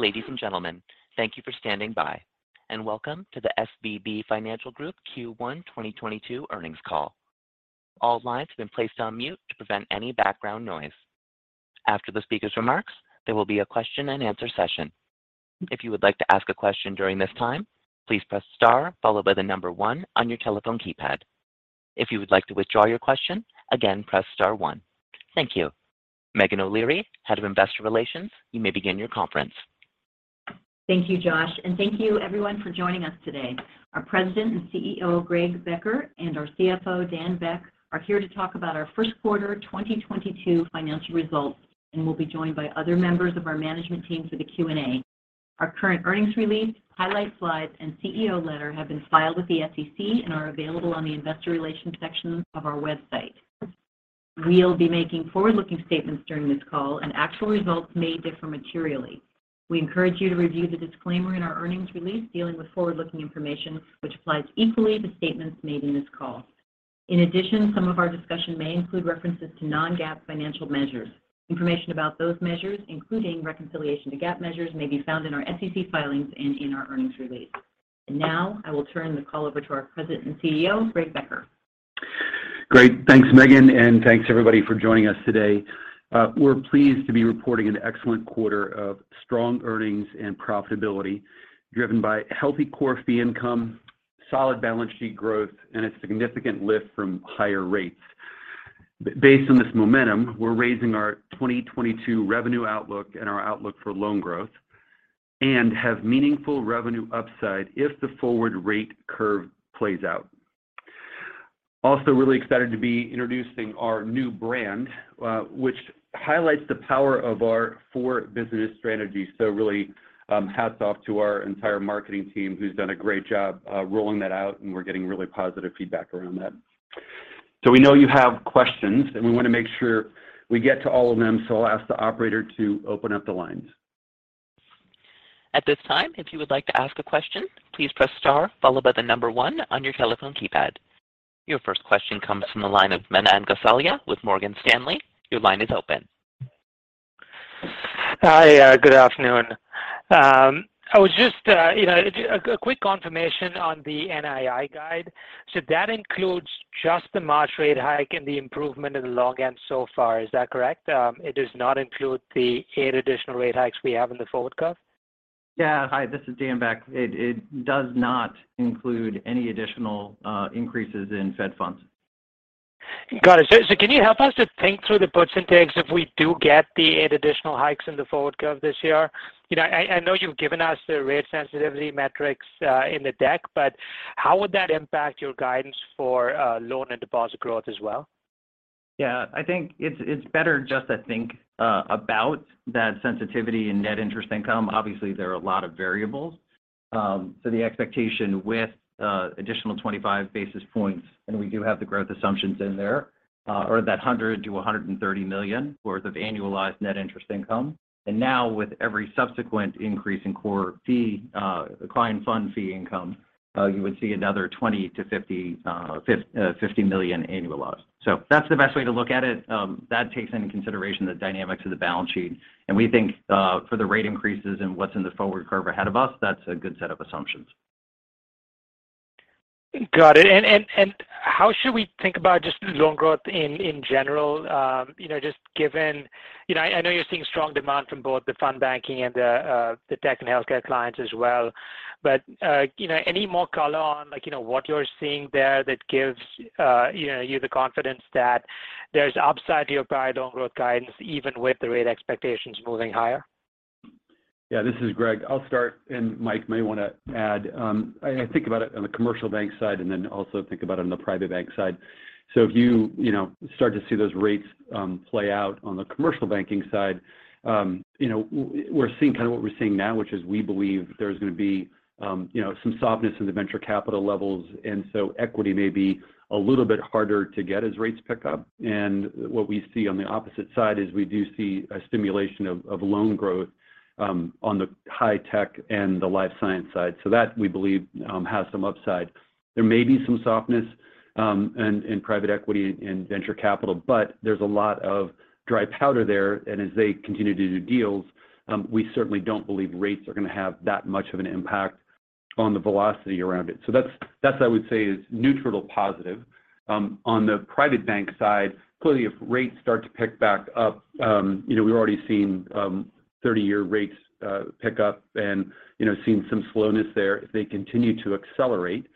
Ladies and gentlemen, thank you for standing by, and welcome to the SVB Financial Group Q1 2022 earnings call. All lines have been placed on mute to prevent any background noise. After the speaker's remarks, there will be a question and answer session. If you would like to ask a question during this time, please press star followed by the number one on your telephone keypad. If you would like to withdraw your question, again press star one. Thank you. Meghan O'Leary, Head of Investor Relations, you may begin your conference. Thank you, Josh, and thank you everyone for joining us today. Our President and CEO, Greg Becker, and Our CFO, Dan Beck, are here to talk about our Q1 2022 financial results and will be joined by other members of our management team for the Q&A. Our current earnings release, highlight slides, and CEO letter have been filed with the SEC and are available on the investor relations section of our website. We'll be making forward-looking statements during this call, and actual results may differ materially. We encourage you to review the disclaimer in our earnings release dealing with forward-looking information, which applies equally to statements made in this call. In addition, some of our discussion may include references to non-GAAP financial measures. Information about those measures, including reconciliation to GAAP measures, may be found in our SEC filings and in our earnings release. Now I will turn the call over to our President and CEO, Greg Becker. Great. Thanks, Megan, and thanks everybody for joining us today. We're pleased to be reporting an excellent quarter of strong earnings and profitability driven by healthy core fee income, solid balance sheet growth, and a significant lift from higher rates. Based on this momentum, we're raising our 2022 revenue outlook and our outlook for loan growth and have meaningful revenue upside if the forward rate curve plays out. Also really excited to be introducing our new brand, which highlights the power of our four business strategies. Hats off to our entire marketing team who's done a great job rolling that out, and we're getting really positive feedback around that. We know you have questions, and we wanna make sure we get to all of them, so I'll ask the operator to open up the lines. At this time, if you would like to ask a question, please press star followed by the number one on your telephone keypad. Your first question comes from the line of Manan Gosalia with Morgan Stanley. Your line is open. Hi, good afternoon. I was just a quick confirmation on the NII guide. That includes just the March rate hike and the improvement in the long end so far. Is that correct? It does not include the eight additional rate hikes we have in the forward curve? Yeah. Hi, this is Dan Beck. It does not include any additional increases in Fed funds. Got it. Can you help us to think through the puts and takes if we do get the eight additional hikes in the forward curve this year? You know, I know you've given us the rate sensitivity metrics in the deck, but how would that impact your guidance for loan and deposit growth as well? Yeah. I think it's better just to think about that sensitivity in net interest income. Obviously, there are a lot of variables. The expectation with additional 25 basis points, and we do have the growth assumptions in there, are $100 million-$130 million worth of annualized net interest income. Now with every subsequent increase in core fee client fund fee income, you would see another $20 million-$50 million annualized. That's the best way to look at it. That takes into consideration the dynamics of the balance sheet. We think for the rate increases and what's in the forward curve ahead of us, that's a good set of assumptions. Got it. How should we think about just loan growth in general, you know, just given you know I know you're seeing strong demand from both the fund banking and the tech and healthcare clients as well. But you know any more color on, like, you know, what you're seeing there that gives you know you the confidence that there's upside to your private loan growth guidance even with the rate expectations moving higher? Yeah. This is Greg. I'll start, and Mike may wanna add. I think about it on the commercial bank side and then also think about it on the private bank side. If you know, start to see those rates, play out on the commercial banking side, you know, we're seeing kind of what we're seeing now, which is we believe there's gonna be, you know, some softness in the venture capital levels, and so equity may be a little bit harder to get as rates pick up. What we see on the opposite side is we do see a stimulation of loan growth, on the high tech and the life science side. That, we believe, has some upside. There may be some softness in private equity and venture capital, but there's a lot of dry powder there, and as they continue to do deals, we certainly don't believe rates are gonna have that much of an impact on the velocity around it. That's I would say is neutral to positive. On the private bank side, clearly if rates start to pick back up, you know, we've already seen 30-year rates pick up and, you know, seen some slowness there. If they continue to accelerate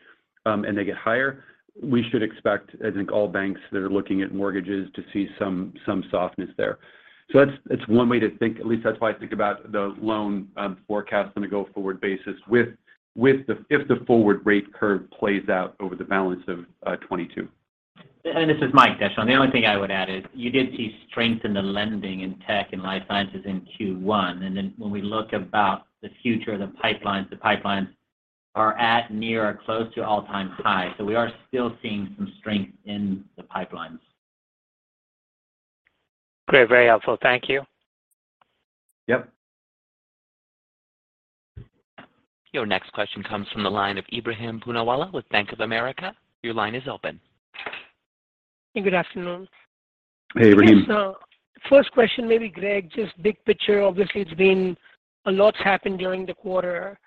and they get higher, we should expect, I think all banks that are looking at mortgages to see some softness there. That's one way to think, at least that's the way I think about the loan forecast on a go-forward basis with if the forward rate curve plays out over the balance of 2022. This is Mike. The only thing I would add is you did see strength in the lending in tech and life sciences in Q1. Then when we look about the future of the pipelines, the pipelines are at near or close to all-time high. We are still seeing some strength in the pipelines. Great. Very helpful. Thank you. Yep. Your next question comes from the line of Ebrahim Poonawala with Bank of America. Your line is open. Good afternoon. Hey, Ebrahim. Yes. First question, maybe Greg, just big picture. Obviously, it's been a lot has happened during the quarter.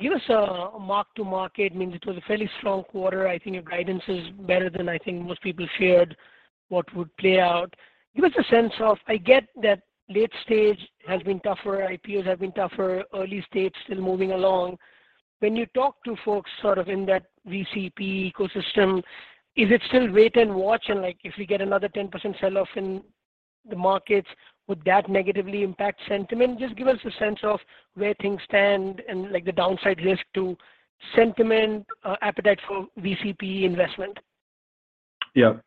Give us a mark-to-market, means it was a fairly strong quarter. I think your guidance is better than I think most people feared what would play out. Give us a sense of I get that late stage has been tougher, IPOs have been tougher, early stage still moving along. When you talk to folks sort of in that VCP ecosystem, is it still wait and watch? Like, if we get another 10% sell-off in the markets, would that negatively impact sentiment? Just give us a sense of where things stand and, like, the downside risk to sentiment, appetite for VCP investment. Yep,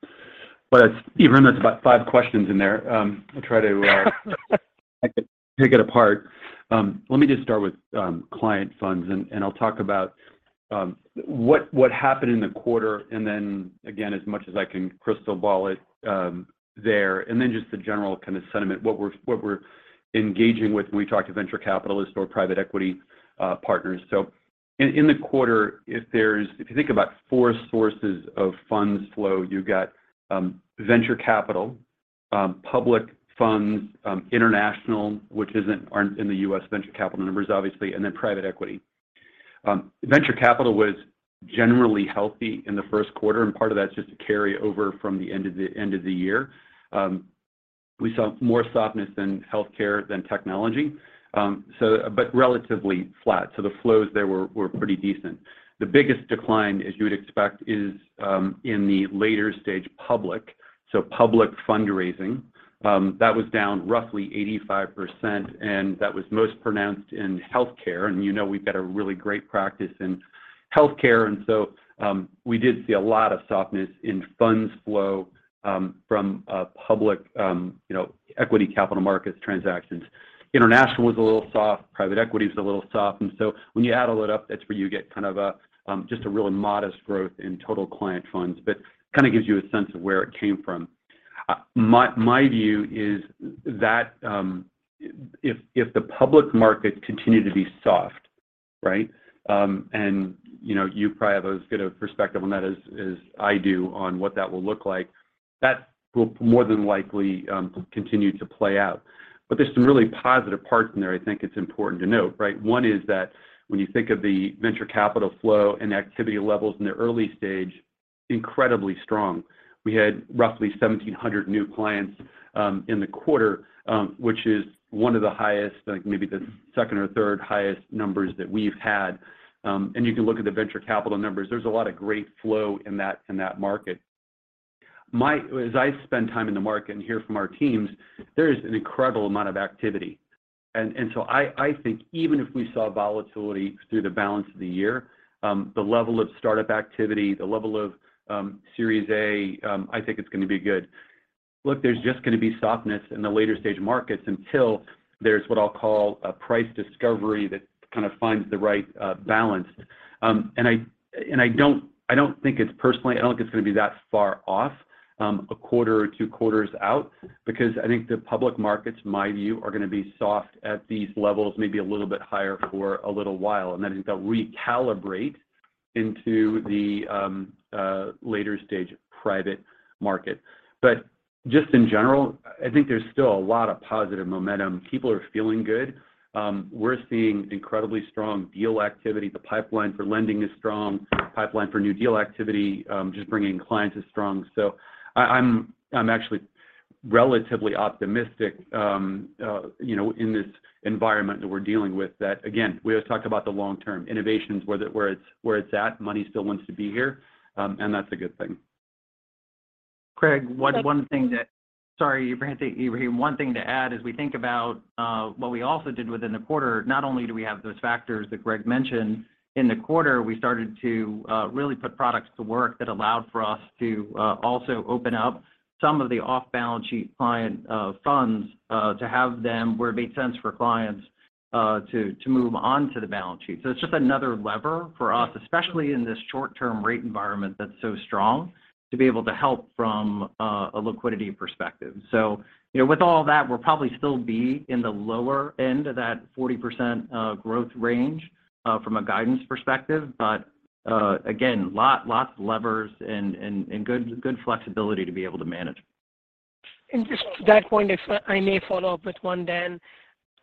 that's about five questions in there. I'll try to pick it apart. Let me just start with client funds, and I'll talk about what happened in the quarter and then, again, as much as I can crystal ball it, there, and then just the general kind of sentiment, what we're engaging with when we talk to venture capitalists or private equity partners. In the quarter, if you think about four sources of funds flow, you've got venture capital, public funds, international, which isn't in the U.S. venture capital numbers, obviously, and then private equity. Venture capital was generally healthy in the Q1, and part of that's just a carryover from the end of the year. We saw more softness in healthcare than technology. But relatively flat, so the flows there were pretty decent. The biggest decline, as you would expect, is in the later stage public, so public fundraising. That was down roughly 85%, and that was most pronounced in healthcare. You know we've got a really great practice in healthcare, and so we did see a lot of softness in funds flow from public you know equity capital markets transactions. International was a little soft. Private equity was a little soft. When you add all that up, that's where you get kind of a just a really modest growth in total client funds, but kind of gives you a sense of where it came from. My view is that if the public markets continue to be soft, right, and you know, you probably have as good a perspective on that as I do on what that will look like, that will more than likely continue to play out. There's some really positive parts in there I think it's important to note, right? One is that when you think of the venture capital flow and activity levels in the early stage, incredibly strong. We had roughly 1,700 new clients in the quarter, which is one of the highest, like maybe the second or third highest numbers that we've had. You can look at the venture capital numbers. There's a lot of great flow in that market. As I spend time in the market and hear from our teams, there is an incredible amount of activity. I think even if we saw volatility through the balance of the year, the level of startup activity, the level of Series A, I think it's gonna be good. Look, there's just gonna be softness in the later stage markets until there's what I'll call a price discovery that kind of finds the right balance. I personally don't think it's gonna be that far off, a quarter or two quarters out because I think the public markets, in my view, are gonna be soft at these levels, maybe a little bit higher for a little while, and then I think they'll recalibrate into the later stage private market. Just in general, I think there's still a lot of positive momentum. People are feeling good. We're seeing incredibly strong deal activity. The pipeline for lending is strong. The pipeline for new deal activity, just bringing in clients, is strong. I'm actually relatively optimistic, you know, in this environment that we're dealing with that, again, we always talk about the long term. Innovation's where it's at. Money still wants to be here, and that's a good thing. Greg, one thing that... Thanks- Sorry, Ebrahim, one thing to add, as we think about what we also did within the quarter, not only do we have those factors that Greg mentioned, in the quarter, we started to really put products to work that allowed for us to also open up some of the off-balance sheet client funds to have them where it made sense for clients to move onto the balance sheet. It's just another lever for us, especially in this short-term rate environment that's so strong, to be able to help from a liquidity perspective. You know, with all that, we'll probably still be in the lower end of that 40% growth range from a guidance perspective. Again, lots of levers and good flexibility to be able to manage. Just to that point, if I may follow up with one, Dan.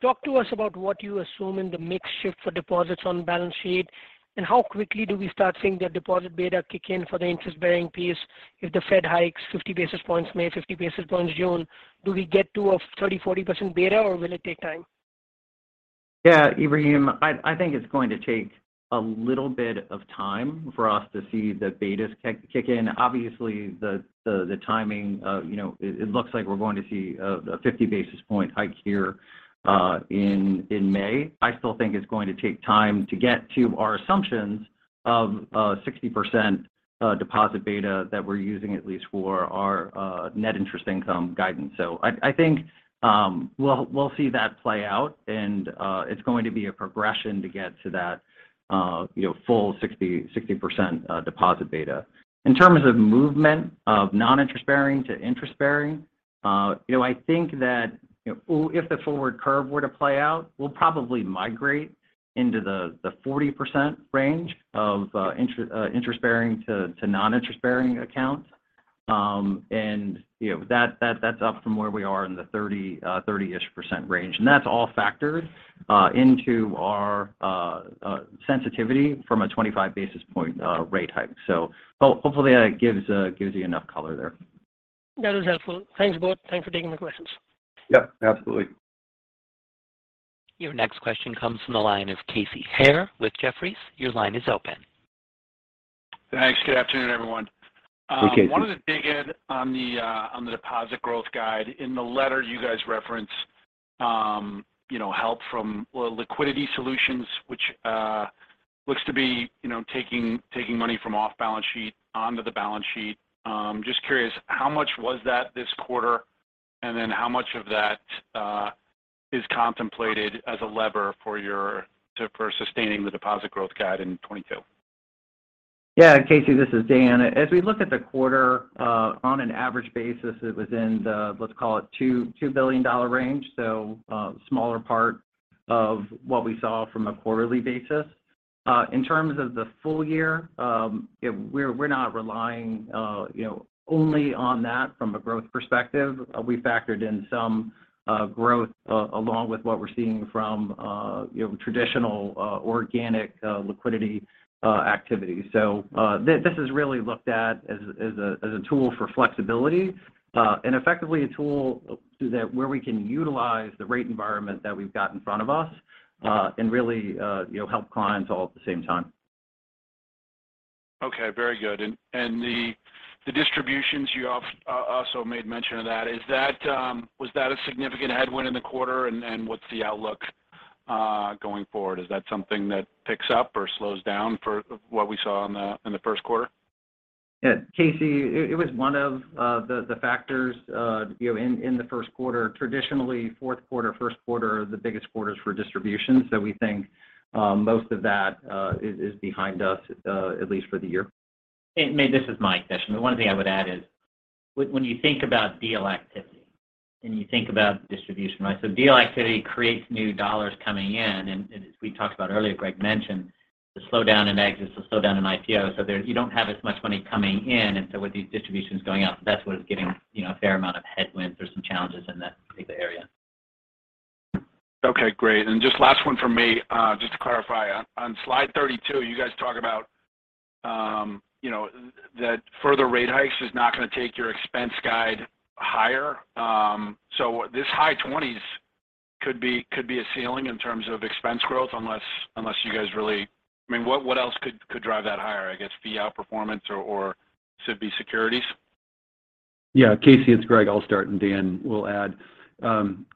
Talk to us about what you assume in the mix shift for deposits on balance sheet, and how quickly do we start seeing the deposit beta kick in for the interest-bearing piece if the Fed hikes 50 basis points May, 50 basis points June? Do we get to a 30%, 40% beta, or will it take time? Yeah, Ebrahim, I think it's going to take a little bit of time for us to see the betas kick in. Obviously, the timing of you know it looks like we're going to see a 50 basis point hike here in May. I still think it's going to take time to get to our assumptions of a 60% deposit beta that we're using at least for our net interest income guidance. I think we'll see that play out, and it's going to be a progression to get to that you know full 60% deposit beta. In terms of movement of non-interest bearing to interest bearing You know, I think that if the forward curve were to play out, we'll probably migrate into the 40% range of interest-bearing to non-interest-bearing accounts. You know, that's up from where we are in the 30-ish% range. That's all factored into our sensitivity from a 25 basis point rate hike. Hopefully that gives you enough color there. That is helpful. Thanks both. Thanks for taking the questions. Yep, absolutely. Your next question comes from the line of Casey Haire with Jefferies. Your line is open. Thanks. Good afternoon, everyone. Hey, Casey. I wanted to dig in on the deposit growth guide. In the letter you guys referenced, you know, help from well liquidity solutions, which looks to be you know taking money from off balance sheet onto the balance sheet. Just curious, how much was that this quarter? Then how much of that is contemplated as a lever for sustaining the deposit growth guide in 2022? Yeah. Casey, this is Dan. As we look at the quarter, on an average basis, it was in the, let's call it $2 billion range. A smaller part of what we saw from a quarterly basis. In terms of the full year, you know, we're not relying, you know, only on that from a growth perspective. We factored in some growth along with what we're seeing from, you know, traditional organic liquidity activity. This is really looked at as a tool for flexibility, and effectively a tool so that we can utilize the rate environment that we've got in front of us, and really, you know, help clients all at the same time. Okay. Very good. The distributions you also made mention of that. Was that a significant headwind in the quarter? What's the outlook going forward? Is that something that picks up or slows down for what we saw in the Q1 quarter? Yeah. Casey, it was one of the factors, you know, in the Q1. Traditionally, Q4, Q1 are the biggest quarters for distribution. We think most of that is behind us, at least for the year. Maybe this is my question. The one thing I would add is when you think about deal activity and you think about distribution, right? Deal activity creates new dollars coming in. As we talked about earlier, Greg mentioned the slowdown in exits, the slowdown in IPOs. There you don't have as much money coming in. With these distributions going out, that's what is giving, you know, a fair amount of headwinds or some challenges in that particular area. Okay, great. Just last one from me, just to clarify. On slide 32, you guys talk about that further rate hikes is not going to take your expense guide higher. So this high 20s could be a ceiling in terms of expense growth unless you guys really I mean, what else could drive that higher? I guess fee outperformance or SVB Securities? Yeah. Casey, it's Greg. I'll start, and Dan will add.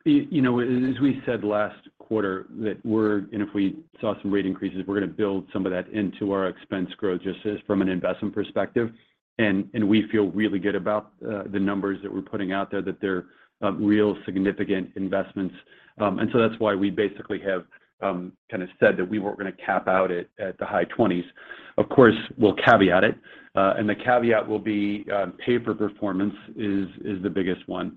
You know, as we said last quarter, if we saw some rate increases, we're going to build some of that into our expense growth just as from an investment perspective. We feel really good about the numbers that we're putting out there, that they're really significant investments. That's why we basically have kind of said that we weren't going to cap out at the high 20's. Of course, we'll caveat it, and the caveat will be pay for performance is the biggest one.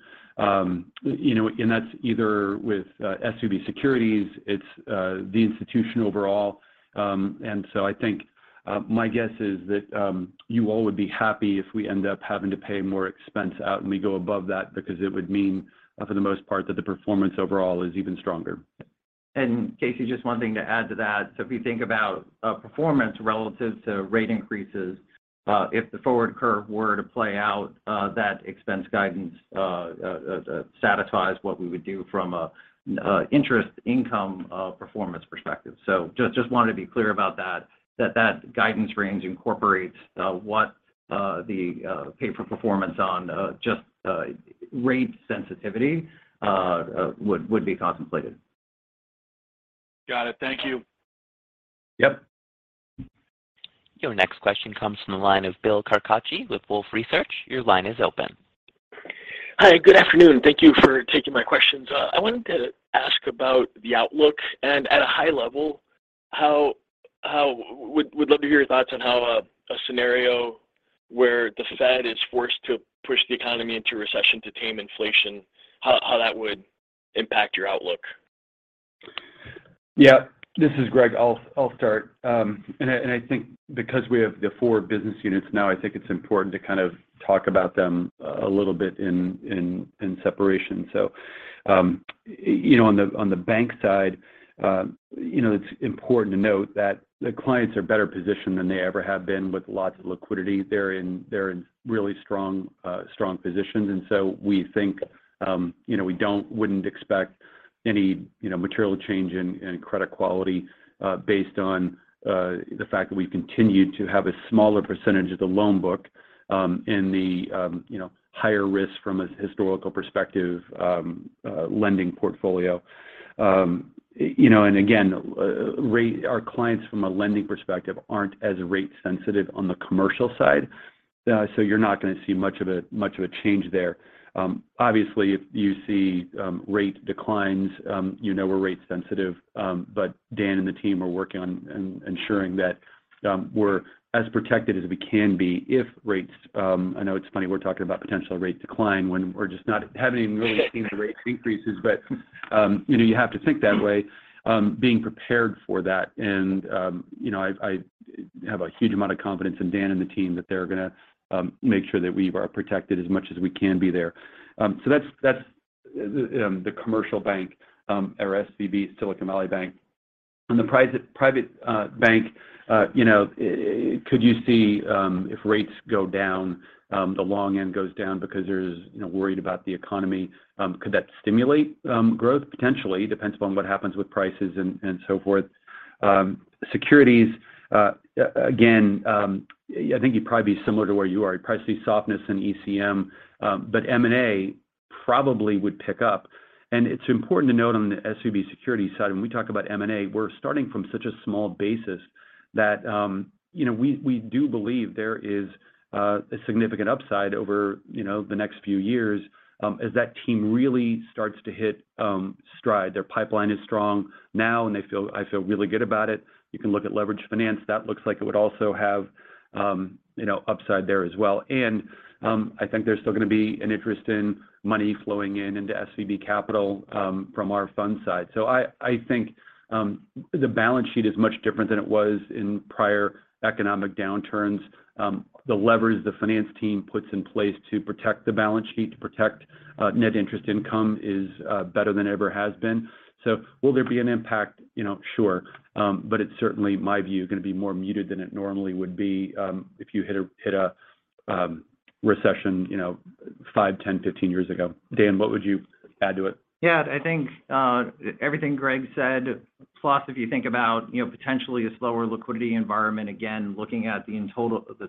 You know, that's either with SVB Securities, it's the institution overall. I think my guess is that you all would be happy if we end up having to pay more expense out, and we go above that because it would mean for the most part that the performance overall is even stronger. Casey, just one thing to add to that. If you think about performance relative to rate increases, if the forward curve were to play out, that expense guidance satisfies what we would do from interest income performance perspective. Just wanted to be clear about that guidance range incorporates what the pay for performance on just rate sensitivity would be contemplated. Got it. Thank you. Yep. Your next question comes from the line of Bill Carcache with Wolfe Research. Your line is open. Hi, good afternoon. Thank you for taking my questions. I wanted to ask about the outlook and at a high level, would love to hear your thoughts on how a scenario where the Fed is forced to push the economy into recession to tame inflation would impact your outlook. Yeah, this is Greg. I'll start. I think because we have the four business units now, I think it's important to kind of talk about them a little bit in separation. You know, on the bank side, you know, it's important to note that the clients are better positioned than they ever have been with lots of liquidity. They're in really strong positions. We think, you know, we wouldn't expect any, you know, material change in credit quality based on the fact that we continue to have a smaller percentage of the loan book in the higher risk from a historical perspective lending portfolio. You know, again, our clients from a lending perspective aren't as rate sensitive on the commercial side. You're not going to see much of a change there. Obviously, if you see rate declines, you know we're rate sensitive. Dan and the team are working on ensuring that we're as protected as we can be if rates, I know it's funny we're talking about potential rate decline when we just haven't even really seen the rate increases. You know, you have to think that way, being prepared for that. You know, I have a huge amount of confidence in Dan and the team that they're gonna make sure that we are protected as much as we can be there. That's the commercial bank or SVB, Silicon Valley Bank. On the private bank, could you see if rates go down, the long end goes down because there's you know worried about the economy, could that stimulate growth? Potentially. Depends upon what happens with prices and so forth. Securities, again, yeah, I think you'd probably be similar to where you are. You probably see softness in ECM, but M&A probably would pick up. It's important to note on the SVB Securities side, when we talk about M&A, we're starting from such a small basis that you know we do believe there is a significant upside over you know the next few years as that team really starts to hit stride. Their pipeline is strong now, and I feel really good about it. You can look at leveraged finance. That looks like it would also have, you know, upside there as well. I think there's still going to be an interest in money flowing in into SVB Capital, from our fund side. I think the balance sheet is much different than it was in prior economic downturns. The levers the finance team puts in place to protect the balance sheet, to protect net interest income is better than it ever has been. Will there be an impact? You know, sure. It's certainly, in my view, going to be more muted than it normally would be, if you hit a recession, you know, five, 10, 15 years ago. Dan, what would you add to it? Yeah, I think everything Greg said, plus if you think about, you know, potentially a slower liquidity environment, again, looking at the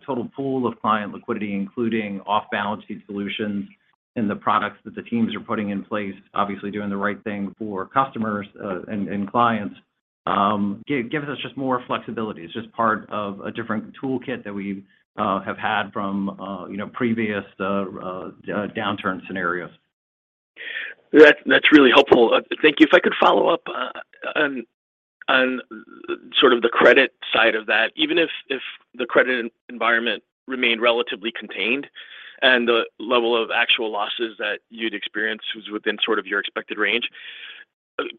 total pool of client liquidity, including off-balance sheet solutions and the products that the teams are putting in place, obviously doing the right thing for customers and clients, gives us just more flexibility. It's just part of a different toolkit that we have had from, you know, previous downturn scenarios. That's really helpful. Thank you. If I could follow up on sort of the credit side of that. Even if the credit environment remained relatively contained and the level of actual losses that you'd experience was within sort of your expected range,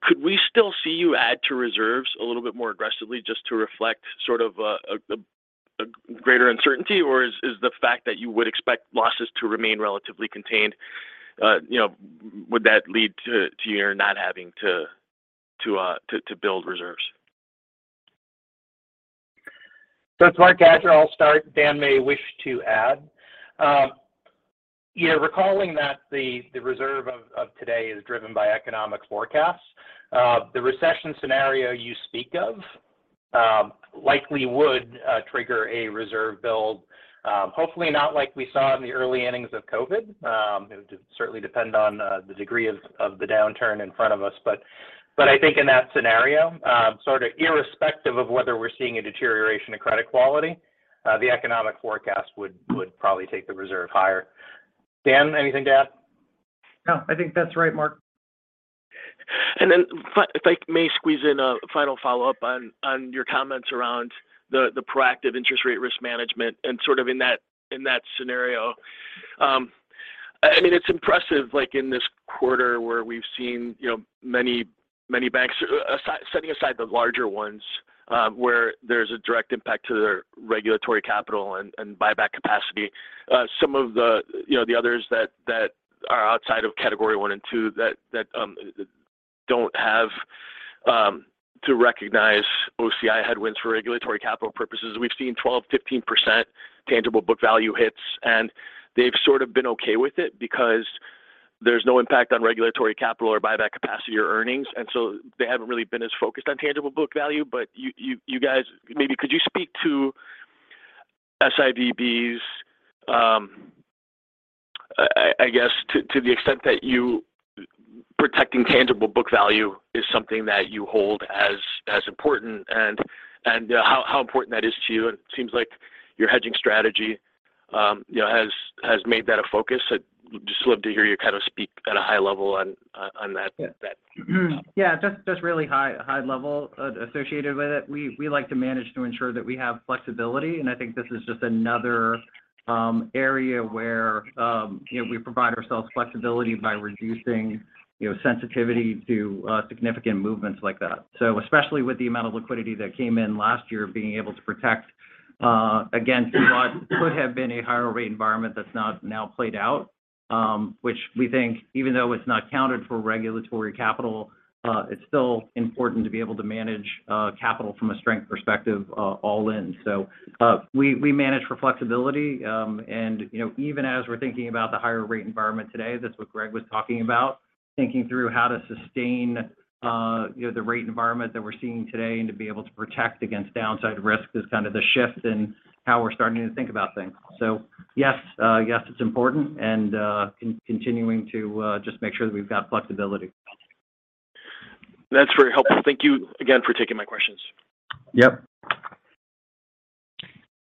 could we still see you add to reserves a little bit more aggressively just to reflect sort of a greater uncertainty? Or is the fact that you would expect losses to remain relatively contained, you know, would that lead to your not having to build reserves? Marc, I'll start. Dan may wish to add. Recalling that the reserve of today is driven by economic forecasts, the recession scenario you speak of likely would trigger a reserve build. Hopefully not like we saw in the early innings of COVID. It would certainly depend on the degree of the downturn in front of us. I think in that scenario, sort of irrespective of whether we're seeing a deterioration in credit quality, the economic forecast would probably take the reserve higher. Dan, anything to add? No, I think that's right, Marc. If I may squeeze in a final follow-up on your comments around the proactive interest rate risk management and sort of in that scenario. I mean, it's impressive, like in this quarter, where we've seen, you know, many banks, setting aside the larger ones, where there's a direct impact to their regulatory capital and buyback capacity. Some of the others that are outside of category one and two that don't have to recognize OCI headwinds for regulatory capital purposes. We've seen 12%-15% tangible book value hits, and they've sort of been okay with it because there's no impact on regulatory capital or buyback capacity or earnings. So they haven't really been as focused on tangible book value. You guys, maybe could you speak to SVB's, I guess to the extent that you protecting tangible book value is something that you hold as important and how important that is to you. It seems like your hedging strategy, you know, has made that a focus. I'd just love to hear you kind of speak at a high level on that. Yeah. Just really high level associated with it. We like to manage to ensure that we have flexibility, and I think this is just another area where, you know, we provide ourselves flexibility by reducing, you know, sensitivity to significant movements like that. Especially with the amount of liquidity that came in last year, being able to protect against what could have been a higher rate environment that's now played out, which we think even though it's not counted for regulatory capital, it's still important to be able to manage capital from a strength perspective, all in. We manage for flexibility, and, you know, even as we're thinking about the higher rate environment today, that's what Greg was talking about, thinking through how to sustain, you know, the rate environment that we're seeing today and to be able to protect against downside risk is kind of the shift in how we're starting to think about things. Yes, it's important and continuing to just make sure that we've got flexibility. That's very helpful. Thank you again for taking my questions. Yep.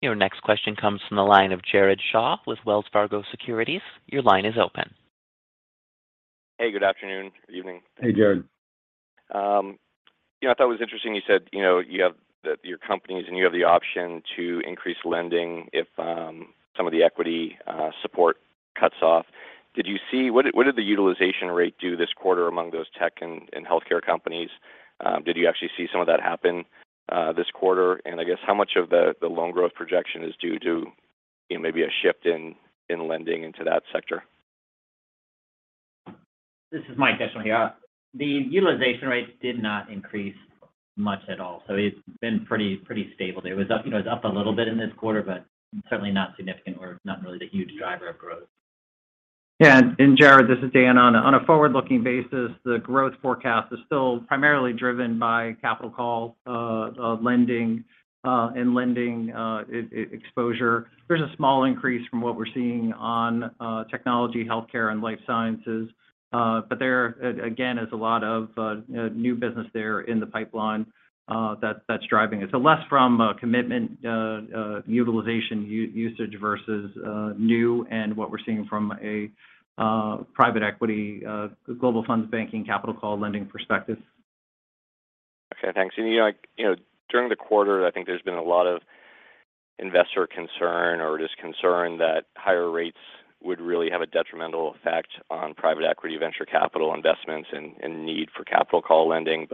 Your next question comes from the line of Jared Shaw with Wells Fargo Securities. Your line is open. Hey, good afternoon, evening. Hey, Jared. You know, I thought it was interesting you said, you know, you have your companies and you have the option to increase lending if some of the equity support cuts off. What did the utilization rate do this quarter among those tech and healthcare companies? Did you actually see some of that happen this quarter? I guess how much of the loan growth projection is due to you know, maybe a shift in lending into that sector? This is Mike Descheneaux. The utilization rates did not increase much at all. It's been pretty stable. It was up, you know, it was up a little bit in this quarter, but certainly not significant or not really the huge driver of growth. Yeah. Jared, this is Dan. On a forward-looking basis, the growth forecast is still primarily driven by capital call lending and exposure. There's a small increase from what we're seeing on technology, healthcare, and life sciences. But there again is a lot of new business there in the pipeline that's driving it. Less from commitment utilization usage versus new and what we're seeing from a private equity global funds banking capital call lending perspective. Okay, thanks. You know, like, you know, during the quarter, I think there's been a lot of investor concern or just concern that higher rates would really have a detrimental effect on private equity venture capital investments and need for capital call lending.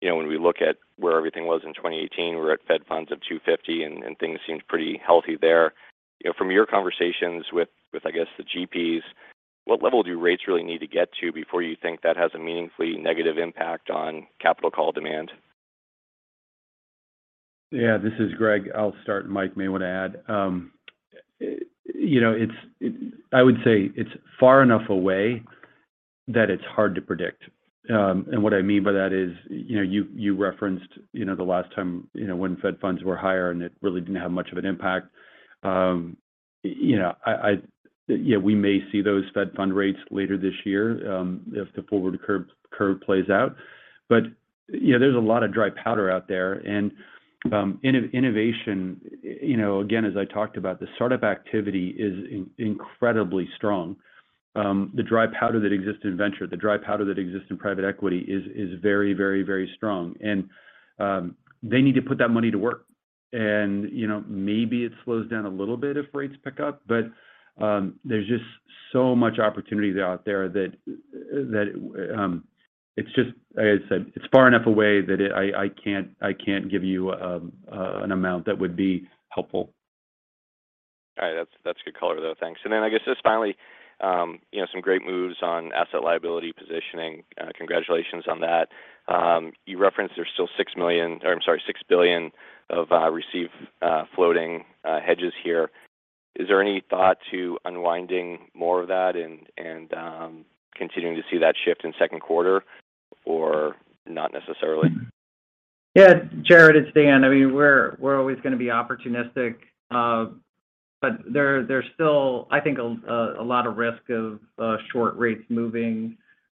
You know, when we look at where everything was in 2018, we're at Fed funds of 2.50 and things seemed pretty healthy there. You know, from your conversations with I guess the GPs, what level do rates really need to get to before you think that has a meaningfully negative impact on capital call demand? Yeah. This is Greg. I'll start, and Mike may want to add. You know, it's far enough away that it's hard to predict. And what I mean by that is, you know, you referenced, you know, the last time, you know, when Fed funds were higher, and it really didn't have much of an impact. You know, yeah, we may see those Fed fund rates later this year, if the forward curve plays out. You know, there's a lot of dry powder out there and, innovation, you know, again, as I talked about, the startup activity is incredibly strong. The dry powder that exists in venture, the dry powder that exists in private equity is very, very, very strong. They need to put that money to work. You know, maybe it slows down a little bit if rates pick up, but there's just so much opportunity out there that it's just, as I said, it's far enough away that I can't give you an amount that would be helpful. All right. That's good color, though. Thanks. Then I guess just finally, you know, some great moves on asset liability positioning. Congratulations on that. You referenced there's still $6 million, or I'm sorry, $6 billion of receive floating hedges here. Is there any thought to unwinding more of that and continuing to see that shift in Q2 or not necessarily? Yeah. Jared, it's Dan. I mean, we're always gonna be opportunistic. But there's still, I think, a lot of risk of short rates moving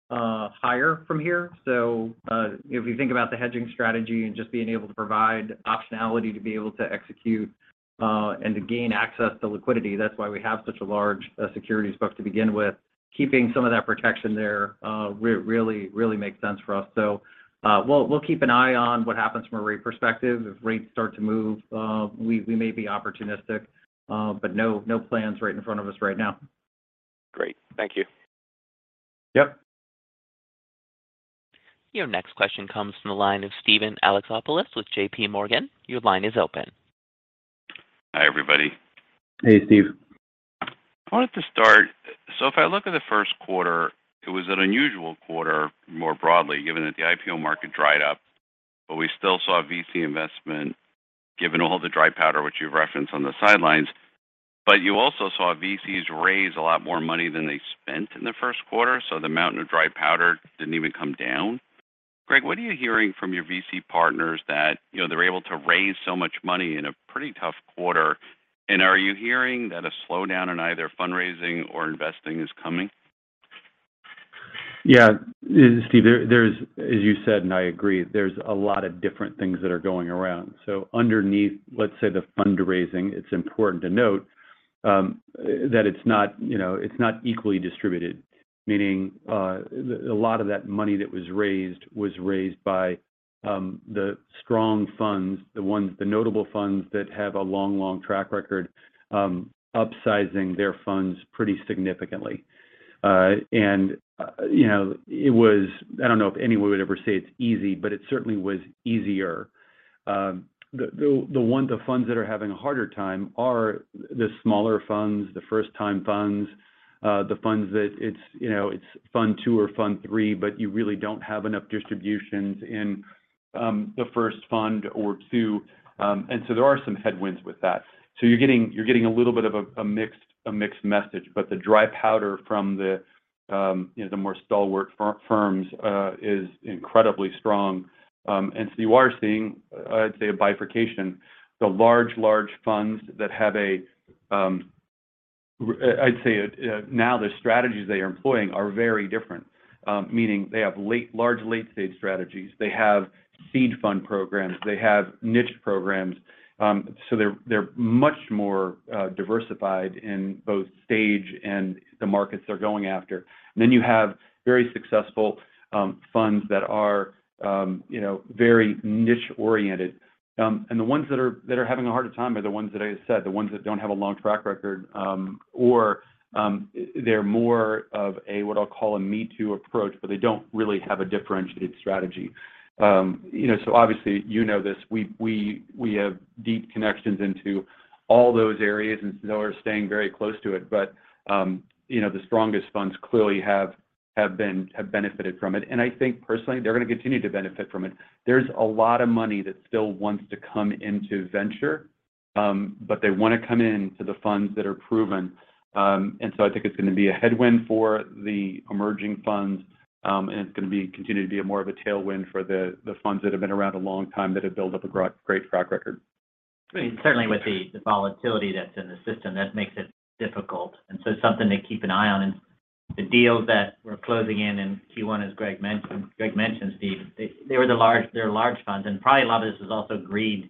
higher from here. If you think about the hedging strategy and just being able to provide optionality to be able to execute and to gain access to liquidity, that's why we have such a large securities book to begin with. Keeping some of that protection there really makes sense for us. We'll keep an eye on what happens from a rate perspective. If rates start to move, we may be opportunistic. But no plans right in front of us right now. Great. Thank you. Yep. Your next question comes from the line of Steven Alexopoulos with JPMorgan. Your line is open. Hi, everybody. Hey, Steve. If I look at the Q1, it was an unusual quarter more broadly, given that the IPO market dried up. We still saw VC investment, given all the dry powder which you've referenced on the sidelines. You also saw VCs raise a lot more money than they spent in the Q1. The mountain of dry powder didn't even come down. Greg, what are you hearing from your VC partners that, you know, they're able to raise so much money in a pretty tough quarter? And are you hearing that a slowdown in either fundraising or investing is coming? Yeah. Steve, there's, as you said, and I agree, there's a lot of different things that are going around. Underneath, let's say, the fundraising, it's important to note that it's not, you know, it's not equally distributed. Meaning, a lot of that money that was raised was raised by the strong funds, the ones, the notable funds that have a long, long track record, upsizing their funds pretty significantly. You know, it was. I don't know if anyone would ever say it's easy, but it certainly was easier. The ones, the funds that are having a harder time are the smaller funds, the first-time funds, the funds that it's, you know, it's fund two or fund three, but you really don't have enough distributions in the first fund or two. There are some headwinds with that. You're getting a little bit of a mixed message. But the dry powder from the, you know, the more stalwart firms is incredibly strong. You are seeing, I'd say, a bifurcation. The large funds that have a, I'd say now the strategies they are employing are very different, meaning they have large late-stage strategies. They have seed fund programs. They have niche programs. They're much more diversified in both stage and the markets they're going after. Then you have very successful funds that are, you know, very niche-oriented. The ones that are having a harder time are the ones that I just said, the ones that don't have a long track record, or they're more of a, what I'll call a me-too approach, but they don't really have a differentiated strategy. You know, obviously, you know this, we have deep connections into all those areas, and we're staying very close to it. You know, the strongest funds clearly have benefited from it. I think personally, they're going to continue to benefit from it. There's a lot of money that still wants to come into venture, but they want to come into the funds that are proven. I think it's going to be a headwind for the emerging funds, and it's going to continue to be more of a tailwind for the funds that have been around a long time that have built up a great track record. I mean, certainly with the volatility that's in the system, that makes it difficult, so something to keep an eye on. The deals that we're closing in Q1, as Greg mentioned, Steve, they were large funds, and probably a lot of this was also agreed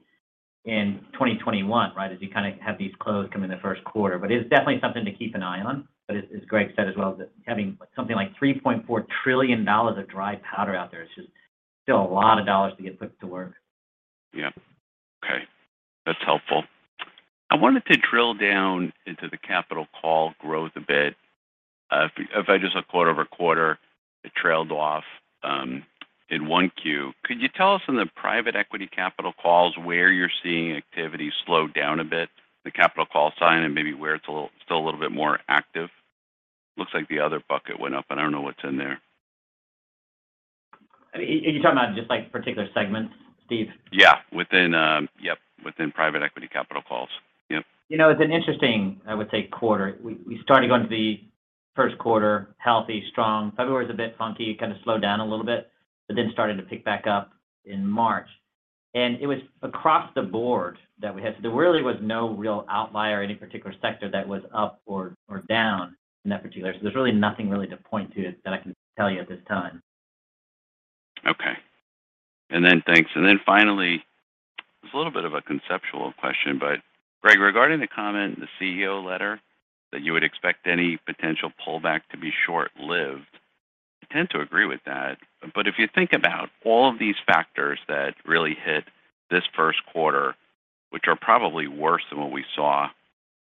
in 2021, right? As you kind of have these closes come in the Q1. It is definitely something to keep an eye on. As Greg said as well, that having something like $3.4 trillion of dry powder out there is just still a lot of dollars to get put to work. Yeah. Okay. That's helpful. I wanted to drill down into the capital call growth a bit. If I just look quarter-over-quarter, it trailed off in 1Q. Could you tell us in the private equity capital calls where you're seeing activity slow down a bit, the capital call side, and maybe where it's a little still a little bit more active? Looks like the other bucket went up, and I don't know what's in there. Are you talking about just, like, particular segments, Steve? Yeah. Within private equity capital calls. Yep. You know, it's an interesting, I would say, quarter. We started going to the Q1 healthy, strong. February was a bit funky. It kind of slowed down a little bit, but then started to pick back up in March. It was across the board that we had. There really was no real outlier, any particular sector that was up or down in that particular. There's really nothing really to point to that I can tell you at this time. Okay. Thanks. Finally, it's a little bit of a conceptual question, but Greg, regarding the comment in the CEO letter that you would expect any potential pullback to be short-lived, I tend to agree with that. If you think about all of these factors that really hit this Q1, which are probably worse than what we saw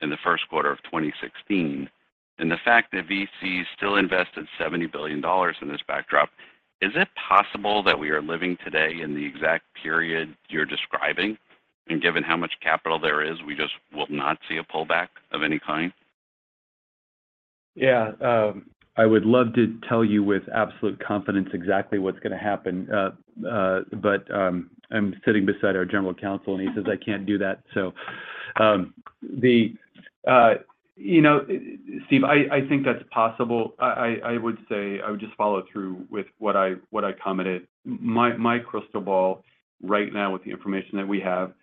in the Q1 of 2016, and the fact that VCs still invested $70 billion in this backdrop, is it possible that we are living today in the exact period you're describing? Given how much capital there is, we just will not see a pullback of any kind? I would love to tell you with absolute confidence exactly what's going to happen, but I'm sitting beside our general counsel, and he says I can't do that. You know, Steve, I would say I would just follow through with what I commented. My crystal ball right now with the information that we have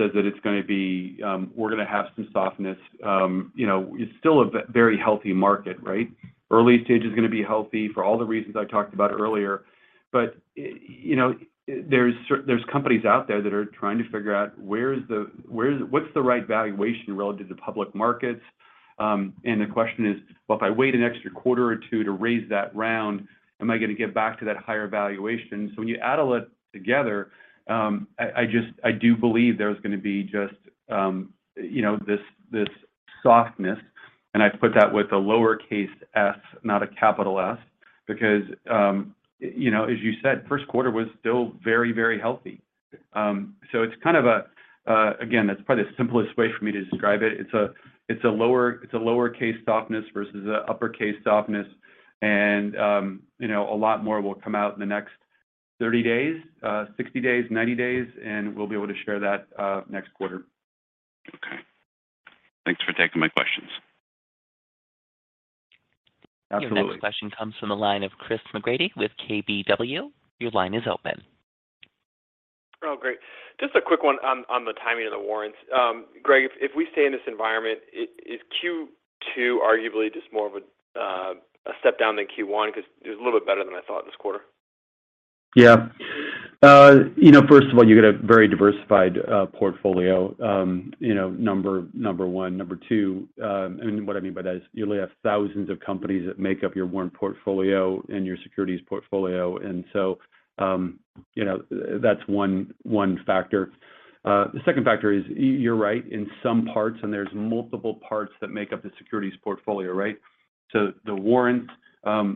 says that we're gonna have some softness. You know, it's still a very healthy market, right? Early stage is gonna be healthy for all the reasons I talked about earlier. You know, there's companies out there that are trying to figure out what's the right valuation relative to public markets. The question is, well, if I wait an extra quarter or two to raise that round, am I gonna get back to that higher valuation? When you add all that together, I just believe there's gonna be just, you know, this softness, and I put that with a lowercase s, not a capital S, because, you know, as you said, Q1 was still very, very healthy. It's kind of a, again, that's probably the simplest way for me to describe it. It's a lowercase softness versus an uppercase softness. You know, a lot more will come out in the next 30 days, 60 days, 90 days, and we'll be able to share that next quarter. Okay. Thanks for taking my questions. Absolutely. Your next question comes from the line of Chris McGratty with KBW. Your line is open. Oh, great. Just a quick one on the timing of the warrants. Greg, if we stay in this environment, is Q2 arguably just more of a step down than Q1? Because it was a little bit better than I thought this quarter. Yeah. You know, first of all, you got a very diversified portfolio, you know, number one. Number two, and what I mean by that is you only have thousands of companies that make up your warrant portfolio and your securities portfolio. You know, that's one factor. The second factor is you're right in some parts, and there's multiple parts that make up the securities portfolio, right? The warrants,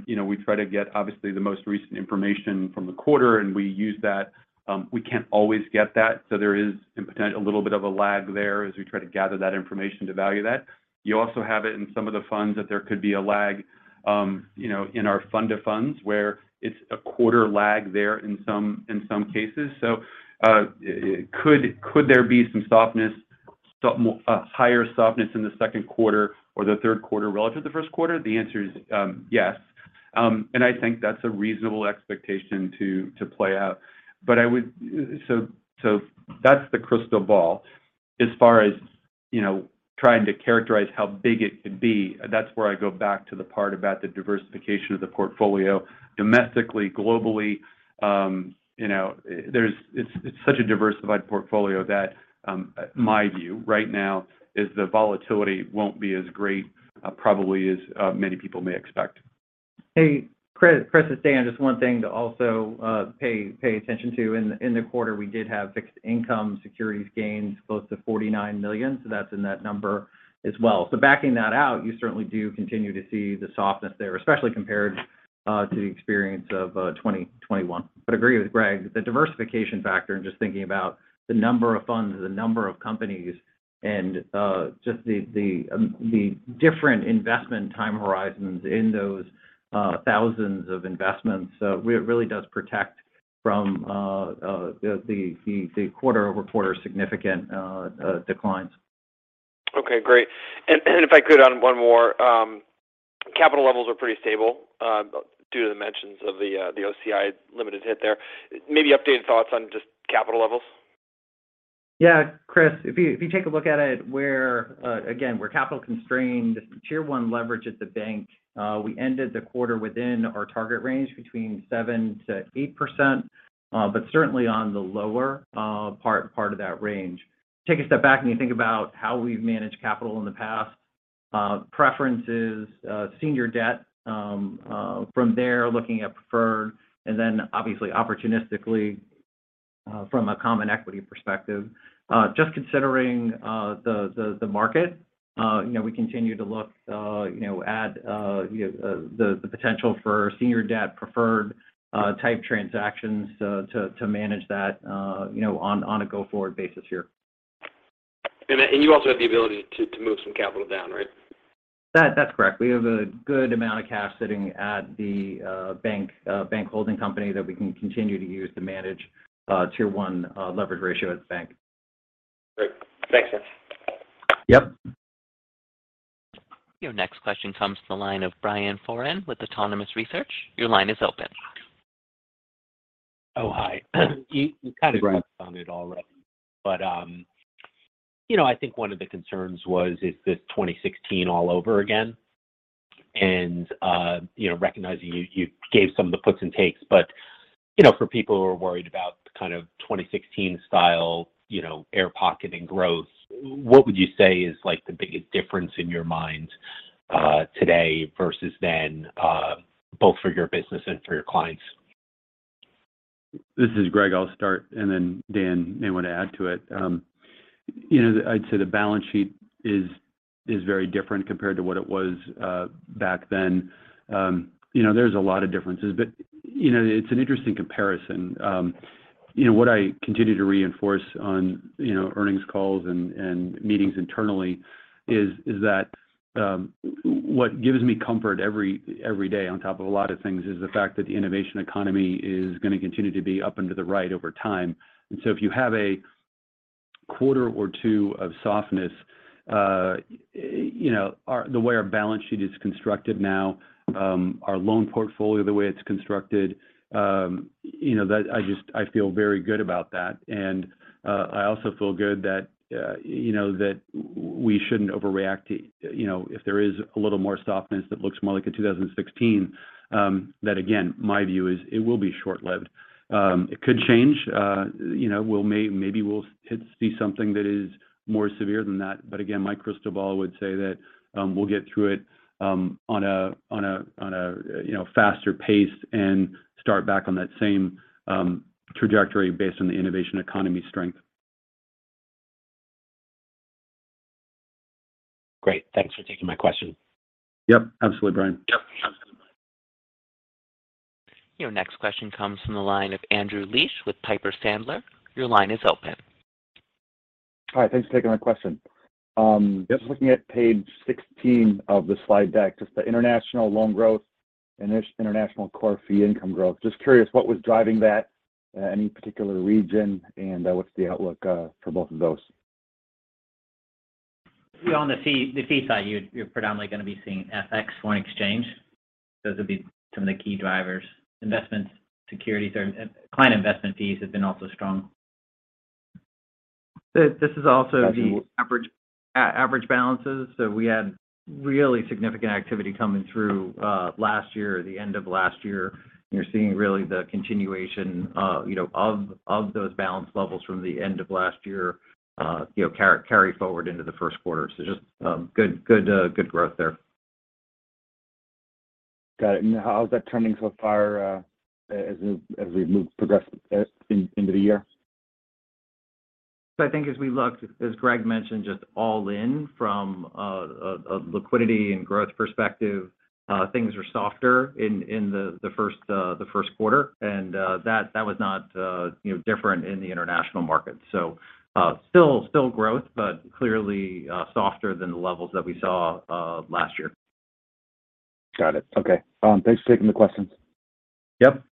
you know, we try to get obviously the most recent information from the quarter, and we use that. We can't always get that, so there is a little bit of a lag there as we try to gather that information to value that. You also have it in some of the funds that there could be a lag, you know, in our fund of funds, where it's a quarter lag there in some cases. Could there be some softness, higher softness in the Q2 or the Q3 relative to the Q1? The answer is yes. I think that's a reasonable expectation to play out. That's the crystal ball as far as, you know, trying to characterize how big it could be. That's where I go back to the part about the diversification of the portfolio domestically, globally. You know, it's such a diversified portfolio that my view right now is the volatility won't be as great, probably as many people may expect. Hey, Chris, it's Dan. Just one thing to also pay attention to. In the quarter, we did have fixed income securities gains close to $49 million. That's in that number as well. Backing that out, you certainly do continue to see the softness there, especially compared to the experience of 2021. Agree with Greg, the diversification factor and just thinking about the number of funds, the number of companies, and just the different investment time horizons in those thousands of investments really does protect from the quarter-over-quarter significant declines. Okay. Great. If I could on one more. Capital levels are pretty stable due to the mentions of the OCI limited hit there. Maybe updated thoughts on just capital levels. Yeah, Chris, if you take a look at it, we're again capital constrained. Tier 1 leverage at the bank, we ended the quarter within our target range between 7%-8%. But certainly on the lower part of that range. Take a step back and you think about how we've managed capital in the past, preferreds, senior debt, from there looking at preferred, and then obviously opportunistically from a common equity perspective. Just considering the market, you know, we continue to look, you know, at the potential for senior debt preferred type transactions to manage that, you know, on a go-forward basis here. You also have the ability to move some capital down, right? That's correct. We have a good amount of cash sitting at the bank holding company that we can continue to use to manage Tier 1 leverage ratio at the bank. Great. Makes sense. Yep. Your next question comes from the line of Brian Foran with Autonomous Research. Your line is open. Oh, hi. You kind of Right Touched on it already. You know, I think one of the concerns was, is this 2016 all over again? You know, recognizing you gave some of the puts and takes, but, you know, for people who are worried about kind of 2016 style, you know, airpocket growth, what would you say is like the biggest difference in your mind, today versus then, both for your business and for your clients? This is Greg. I'll start, and then Dan may want to add to it. You know, I'd say the balance sheet is very different compared to what it was back then. You know, there's a lot of differences, but you know, it's an interesting comparison. You know, what I continue to reinforce on you know, earnings calls and meetings internally is that what gives me comfort every day on top of a lot of things is the fact that the innovation economy is gonna continue to be up and to the right over time. If you have a quarter or two of softness, you know, the way our balance sheet is constructed now, our loan portfolio, the way it's constructed, you know, I feel very good about that. I also feel good that, you know, that we shouldn't overreact, you know, if there is a little more softness that looks more like a 2016, that again, my view is it will be short-lived. It could change. You know, maybe we'll see something that is more severe than that. Again, my crystal ball would say that, we'll get through it, on a you know, faster pace and start back on that same trajectory based on the innovation economy strength. Great. Thanks for taking my question. Yep. Absolutely, Brian. Your next question comes from the line of Andrew Liesch with Piper Sandler. Your line is open. Hi. Thanks for taking my question. Yep. Just looking at page 16 of the slide deck, just the international loan growth and international core fee income growth. Just curious what was driving that, any particular region, and what's the outlook for both of those? On the fee side, you're predominantly going to be seeing FX, foreign exchange. Those would be some of the key drivers. Investments, securities, or client investment fees have been also strong. This is also the average balances. We had really significant activity coming through last year or the end of last year. You're seeing really the continuation you know of those balance levels from the end of last year you know carry forward into the Q1. Just good growth there. Got it. How's that trending so far, as we make progress into the year? I think as we look, as Greg mentioned, just all in from a liquidity and growth perspective, things are softer in the Q1. That was not, you know, different in the international market. Still growth, but clearly softer than the levels that we saw last year. Got it. Okay. Thanks for taking the questions. Yep.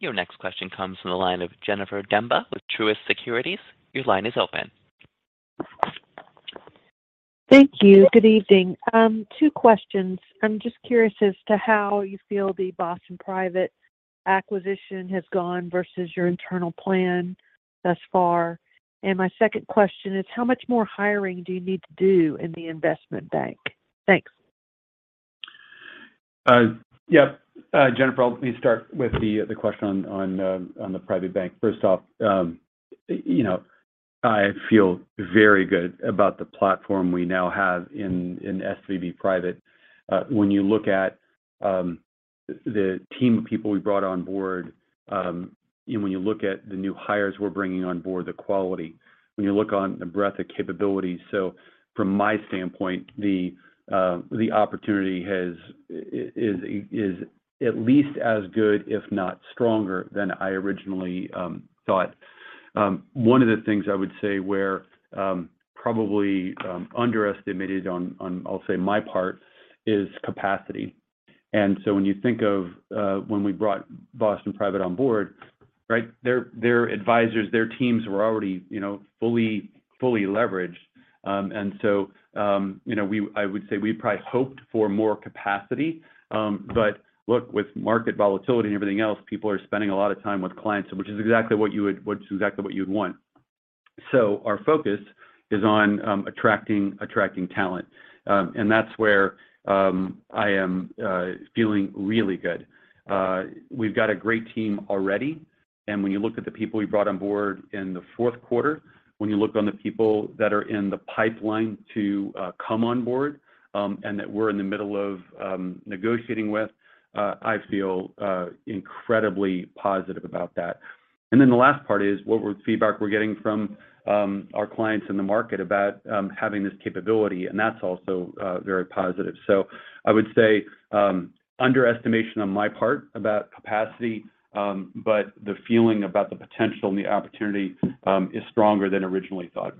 Your next question comes from the line of Jennifer Demba with Truist Securities. Your line is open. Thank you. Good evening. Two questions. I'm just curious as to how you feel the Boston Private acquisition has gone versus your internal plan thus far. My second question is, how much more hiring do you need to do in the investment bank? Thanks. Yeah. Jennifer, I'll maybe start with the question on the private bank. First off, you know, I feel very good about the platform we now have in SVB Private. When you look at the team of people we brought on board, and when you look at the new hires we're bringing on board, the quality. When you look on the breadth of capabilities. From my standpoint, the opportunity is at least as good if not stronger than I originally thought. One of the things I would say where probably underestimated on, I'll say my part is capacity. When you think of when we brought Boston Private on board, right? Their advisors, their teams were already, you know, fully leveraged. you know, I would say we probably hoped for more capacity, but look, with market volatility and everything else, people are spending a lot of time with clients, which is exactly what you'd want. Our focus is on attracting talent. That's where I am feeling really good. We've got a great team already, and when you look at the people we brought on board in the Q4, when you look on the people that are in the pipeline to come on board, and that we're in the middle of negotiating with, I feel incredibly positive about that. Then the last part is what feedback we're getting from our clients in the market about having this capability, and that's also very positive. I would say underestimation on my part about capacity, but the feeling about the potential and the opportunity is stronger than originally thought.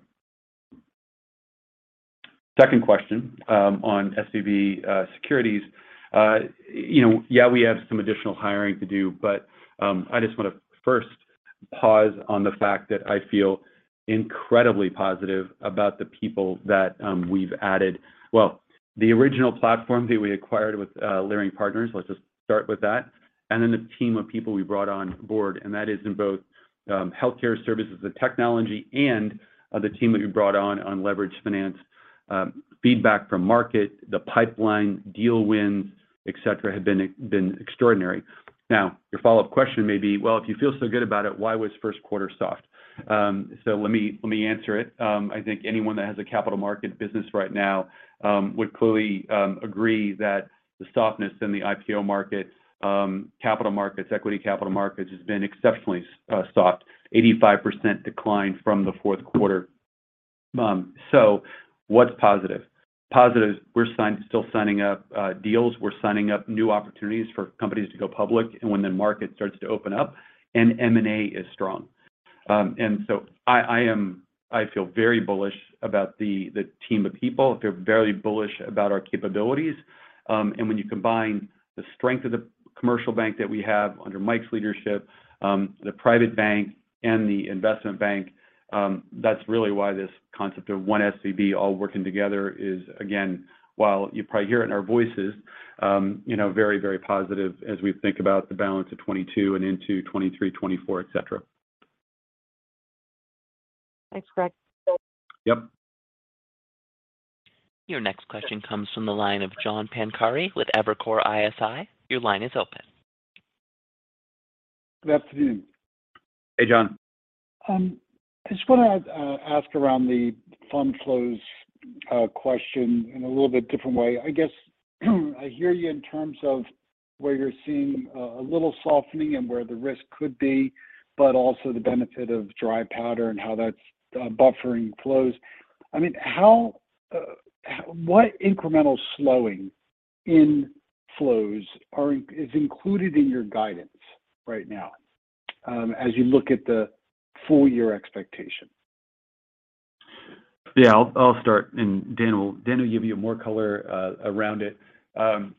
Second question on SVB Securities. You know, yeah, we have some additional hiring to do, but I just wanna first pause on the fact that I feel incredibly positive about the people that we've added. Well, the original platform that we acquired with Leerink Partners, let's just start with that, and then the team of people we brought on board, and that is in both healthcare services, the technology, and the team that we brought on leveraged finance. Feedback from market, the pipeline, deal wins, et cetera, have been extraordinary. Now, your follow-up question may be, "Well, if you feel so good about it, why was Q1 soft?" So let me answer it. I think anyone that has a capital market business right now would clearly agree that the softness in the IPO market, capital markets, equity capital markets has been exceptionally soft. 85% decline from the Q4. So what's positive? Positive is we're still signing up deals. We're signing up new opportunities for companies to go public and when the market starts to open up, and M&A is strong. I feel very bullish about the team of people. I feel very bullish about our capabilities. When you combine the strength of the commercial bank that we have under Mike's leadership, the private bank and the investment bank, that's really why this concept of one SVB all working together is, again, while you probably hear it in our voices, you know, very, very positive as we think about the balance of 2022 and into 2023, 2024, et cetera. Thanks, Greg. Yep. Your next question comes from the line of John Pancari with Evercore ISI. Your line is open. Good afternoon. Hey, John. I just wanna ask around the fund flows question in a little bit different way. I guess I hear you in terms of where you're seeing a little softening and where the risk could be, but also the benefit of dry powder and how that's buffering flows. I mean, how what incremental slowing in flows is included in your guidance right now, as you look at the full year expectation? Yeah. I'll start and Dan will give you more color around it.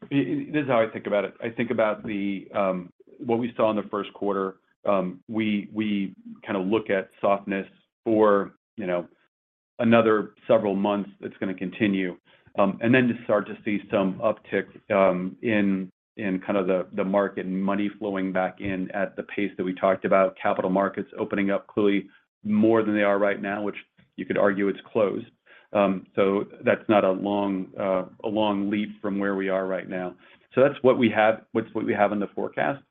This is how I think about it. I think about what we saw in the Q1. We kind of look at softness for, you know, another several months that's gonna continue. Then just start to see some uptick in kind of the market and money flowing back in at the pace that we talked about, capital markets opening up clearly more than they are right now, which you could argue it's closed. That's not a long leap from where we are right now. That's what we have in the forecast.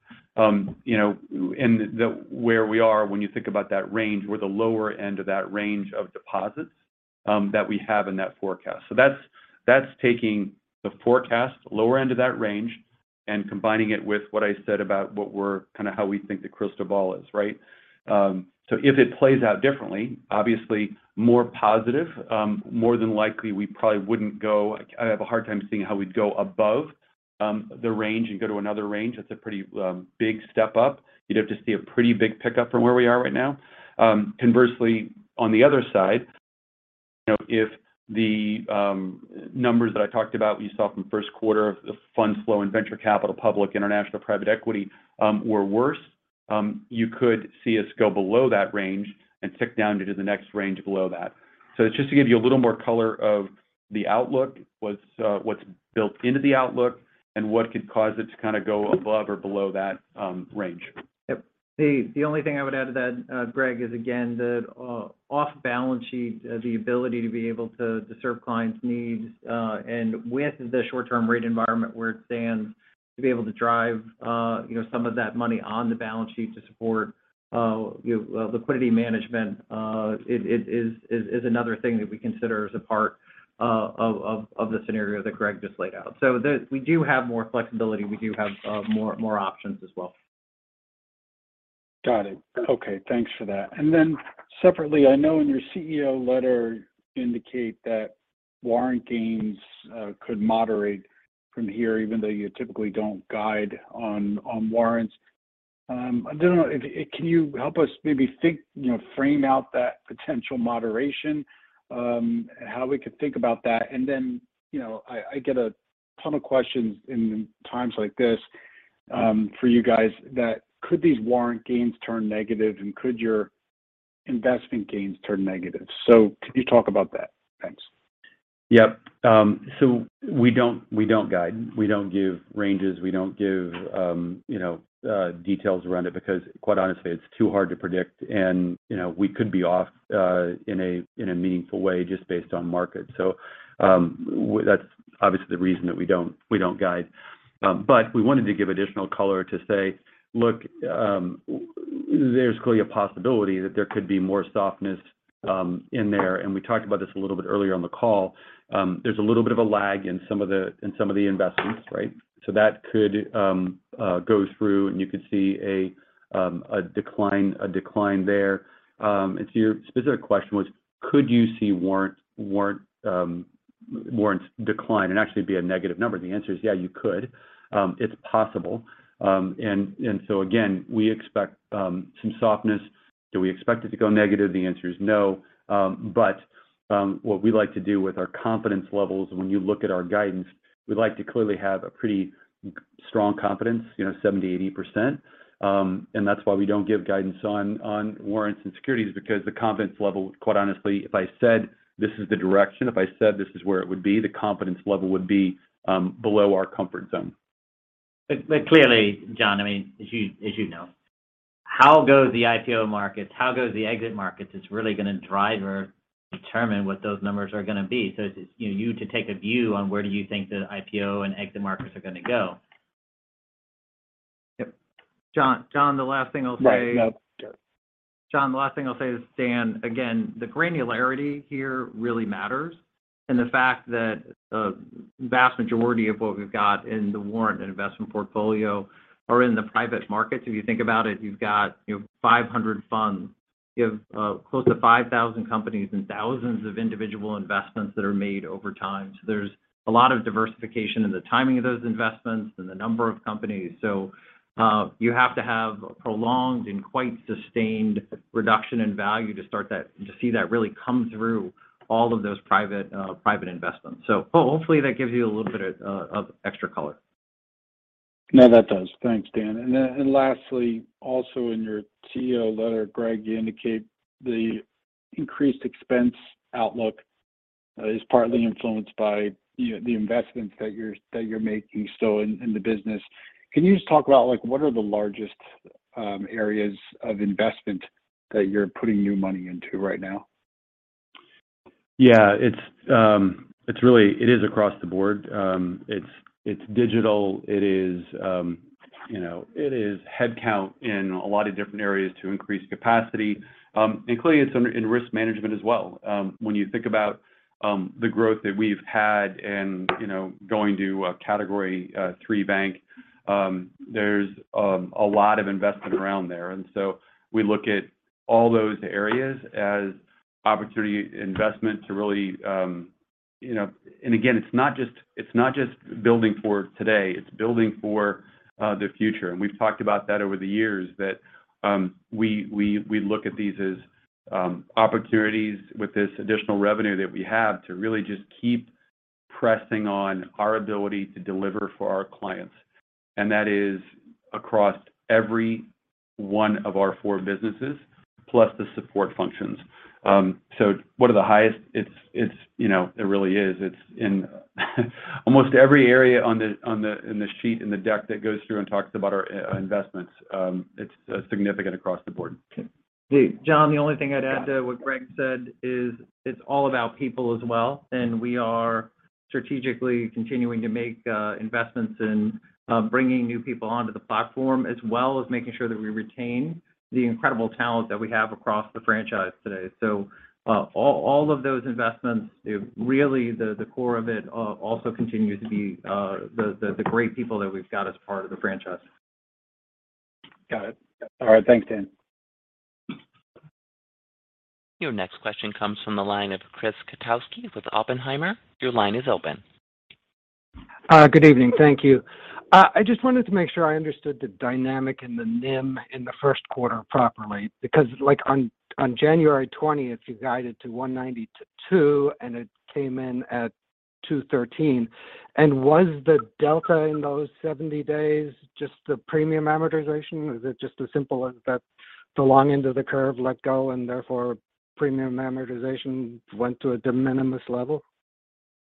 You know, where we are when you think about that range, we're the lower end of that range of deposits that we have in that forecast. That's taking the forecast, lower end of that range, and combining it with what I said about what we're kind of how we think the crystal ball is, right? If it plays out differently, obviously more positive, more than likely we probably wouldn't go. I have a hard time seeing how we'd go above the range and go to another range. That's a pretty big step up. You'd have to see a pretty big pickup from where we are right now. Conversely, on the other side, you know, if the numbers that I talked about we saw from Q1 of the fund flow and venture capital, public, international private equity were worse, you could see us go below that range and tick down into the next range below that. It's just to give you a little more color of the outlook, what's built into the outlook and what could cause it to kind of go above or below that range. Yep. The only thing I would add to that, Greg, is again, the off-balance sheet, the ability to serve clients' needs, and with the short-term rate environment where it stands to be able to drive, you know, some of that money on the balance sheet to support, you know, liquidity management. It is another thing that we consider as a part of the scenario that Greg just laid out. So we do have more flexibility. We do have more options as well. Got it. Okay, thanks for that. Then separately, I know in your CEO letter indicate that warrant gains could moderate from here even though you typically don't guide on warrants. I don't know—can you help us maybe think, you know, frame out that potential moderation, how we could think about that? Then, you know, I get a ton of questions in times like this for you guys that could these warrant gains turn negative and could your investment gains turn negative? Could you talk about that? Thanks. Yep. So we don't guide. We don't give ranges. We don't give details around it because quite honestly, it's too hard to predict. We could be off in a meaningful way just based on market. That's obviously the reason that we don't guide. We wanted to give additional color to say, look, there's clearly a possibility that there could be more softness in there. We talked about this a little bit earlier on the call. There's a little bit of a lag in some of the investments, right? That could go through, and you could see a decline there. If your specific question was could you see warrants decline and actually be a negative number, the answer is yes, you could. It's possible. Again, we expect some softness. Do we expect it to go negative? The answer is no. What we like to do with our confidence levels, when you look at our guidance, we like to clearly have a pretty strong confidence, you know, 70%-80%. That's why we don't give guidance on warrants and securities because the confidence level, quite honestly, if I said this is the direction, if I said this is where it would be, the confidence level would be below our comfort zone. Clearly, John, I mean, as you know, how the IPO markets go, how the exit markets go is really going to drive or determine what those numbers are going to be. It's up to you to take a view on where do you think the IPO and exit markets are going to go. Yep. John, the last thing I'll say. Right. Yep. John, the last thing I'll say to Stan, again, the granularity here really matters. The fact that a vast majority of what we've got in the warrant and investment portfolio are in the private markets. If you think about it, you've got, you know, 500 funds. You have close to 5,000 companies and thousands of individual investments that are made over time. There's a lot of diversification in the timing of those investments and the number of companies. You have to have a prolonged and quite sustained reduction in value to see that really come through all of those private private investments. Hopefully that gives you a little bit of extra color. No, that does. Thanks, Dan. Lastly, also in your CEO letter, Greg, you indicate the increased expense outlook is partly influenced by the investments that you're making so in the business. Can you just talk about like what are the largest areas of investment that you're putting new money into right now? It is across the board. It's digital. It is, you know, headcount in a lot of different areas to increase capacity. Clearly it's in risk management as well. When you think about the growth that we've had and, you know, going to a Category III bank, there's a lot of investment around there. We look at all those areas as opportunity investment to really, you know. Again, it's not just building for today, it's building for the future. We've talked about that over the years that we look at these as opportunities with this additional revenue that we have to really just keep pressing on our ability to deliver for our clients. That is across every one of our four businesses plus the support functions. What are the highest? It's, you know, it really is. It's in almost every area in the sheet, in the deck that goes through and talks about our investments. It's significant across the board. Okay. Hey, John, the only thing I'd add to what Greg said is it's all about people as well, and we are strategically continuing to make investments in bringing new people onto the platform, as well as making sure that we retain the incredible talent that we have across the franchise today. All of those investments, really the core of it also continues to be the great people that we've got as part of the franchise. Got it. All right. Thanks, Dan. Your next question comes from the line of Chris Kotowski with Oppenheimer. Your line is open. Good evening. Thank you. I just wanted to make sure I understood the dynamic and the NIM in the Q1 properly because like on January 20, you guided to 1.90%-2%, and it came in at 2.13%. Was the delta in those 70 days just the premium amortization? Is it just as simple as that the long end of the curve let go and therefore premium amortization went to a de minimis level?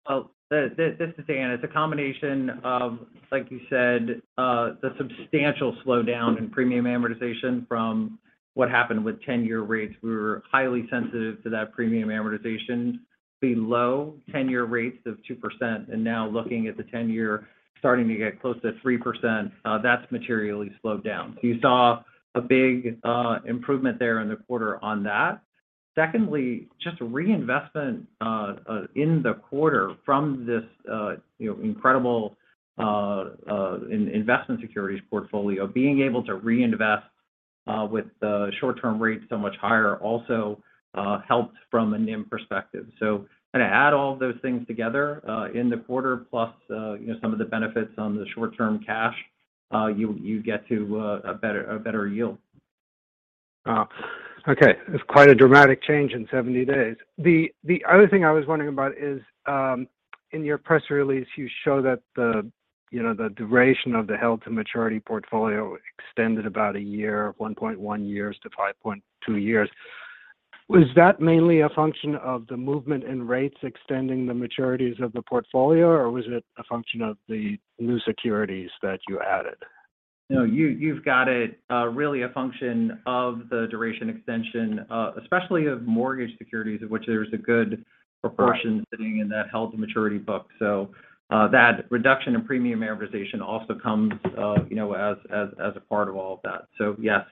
Well, this is Dan. It's a combination of, like you said, the substantial slowdown in premium amortization from what happened with 10-year rates. We were highly sensitive to that premium amortization below 10-year rates of 2%. Now looking at the 10-year starting to get close to 3%, that's materially slowed down. You saw a big improvement there in the quarter on that. Secondly, just reinvestment in the quarter from this, you know, incredible investment securities portfolio, being able to reinvest with the short-term rates so much higher also helped from a NIM perspective. Kind of add all those things together in the quarter plus, you know, some of the benefits on the short-term cash, you get to a better yield. Wow. Okay. That's quite a dramatic change in 70 days. The other thing I was wondering about is, in your press release, you show that the, you know, the duration of the held-to-maturity portfolio extended about a year, 1.1 years to 5.2 years. Was that mainly a function of the movement in rates extending the maturities of the portfolio, or was it a function of the new securities that you added? No, you've got it. Really a function of the duration extension, especially of mortgage securities, of which there's a good proportion sitting in that held-to-maturity book. That reduction in premium amortization also comes, you know, as a part of all of that. Yes,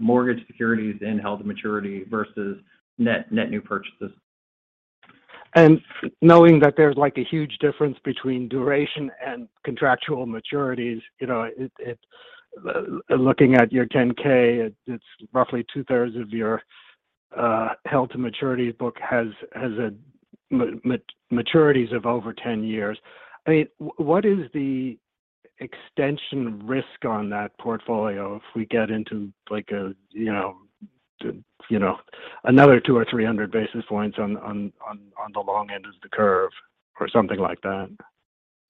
mortgage securities in held-to-maturity versus net new purchases. Knowing that there's like a huge difference between duration and contractual maturities, you know, looking at your 10-K, it's roughly two-thirds of your held-to-maturity book has maturities of over 10 years. I mean, what is the extension risk on that portfolio if we get into like a, you know, another 200 or 300 basis points on the long end of the curve or something like that?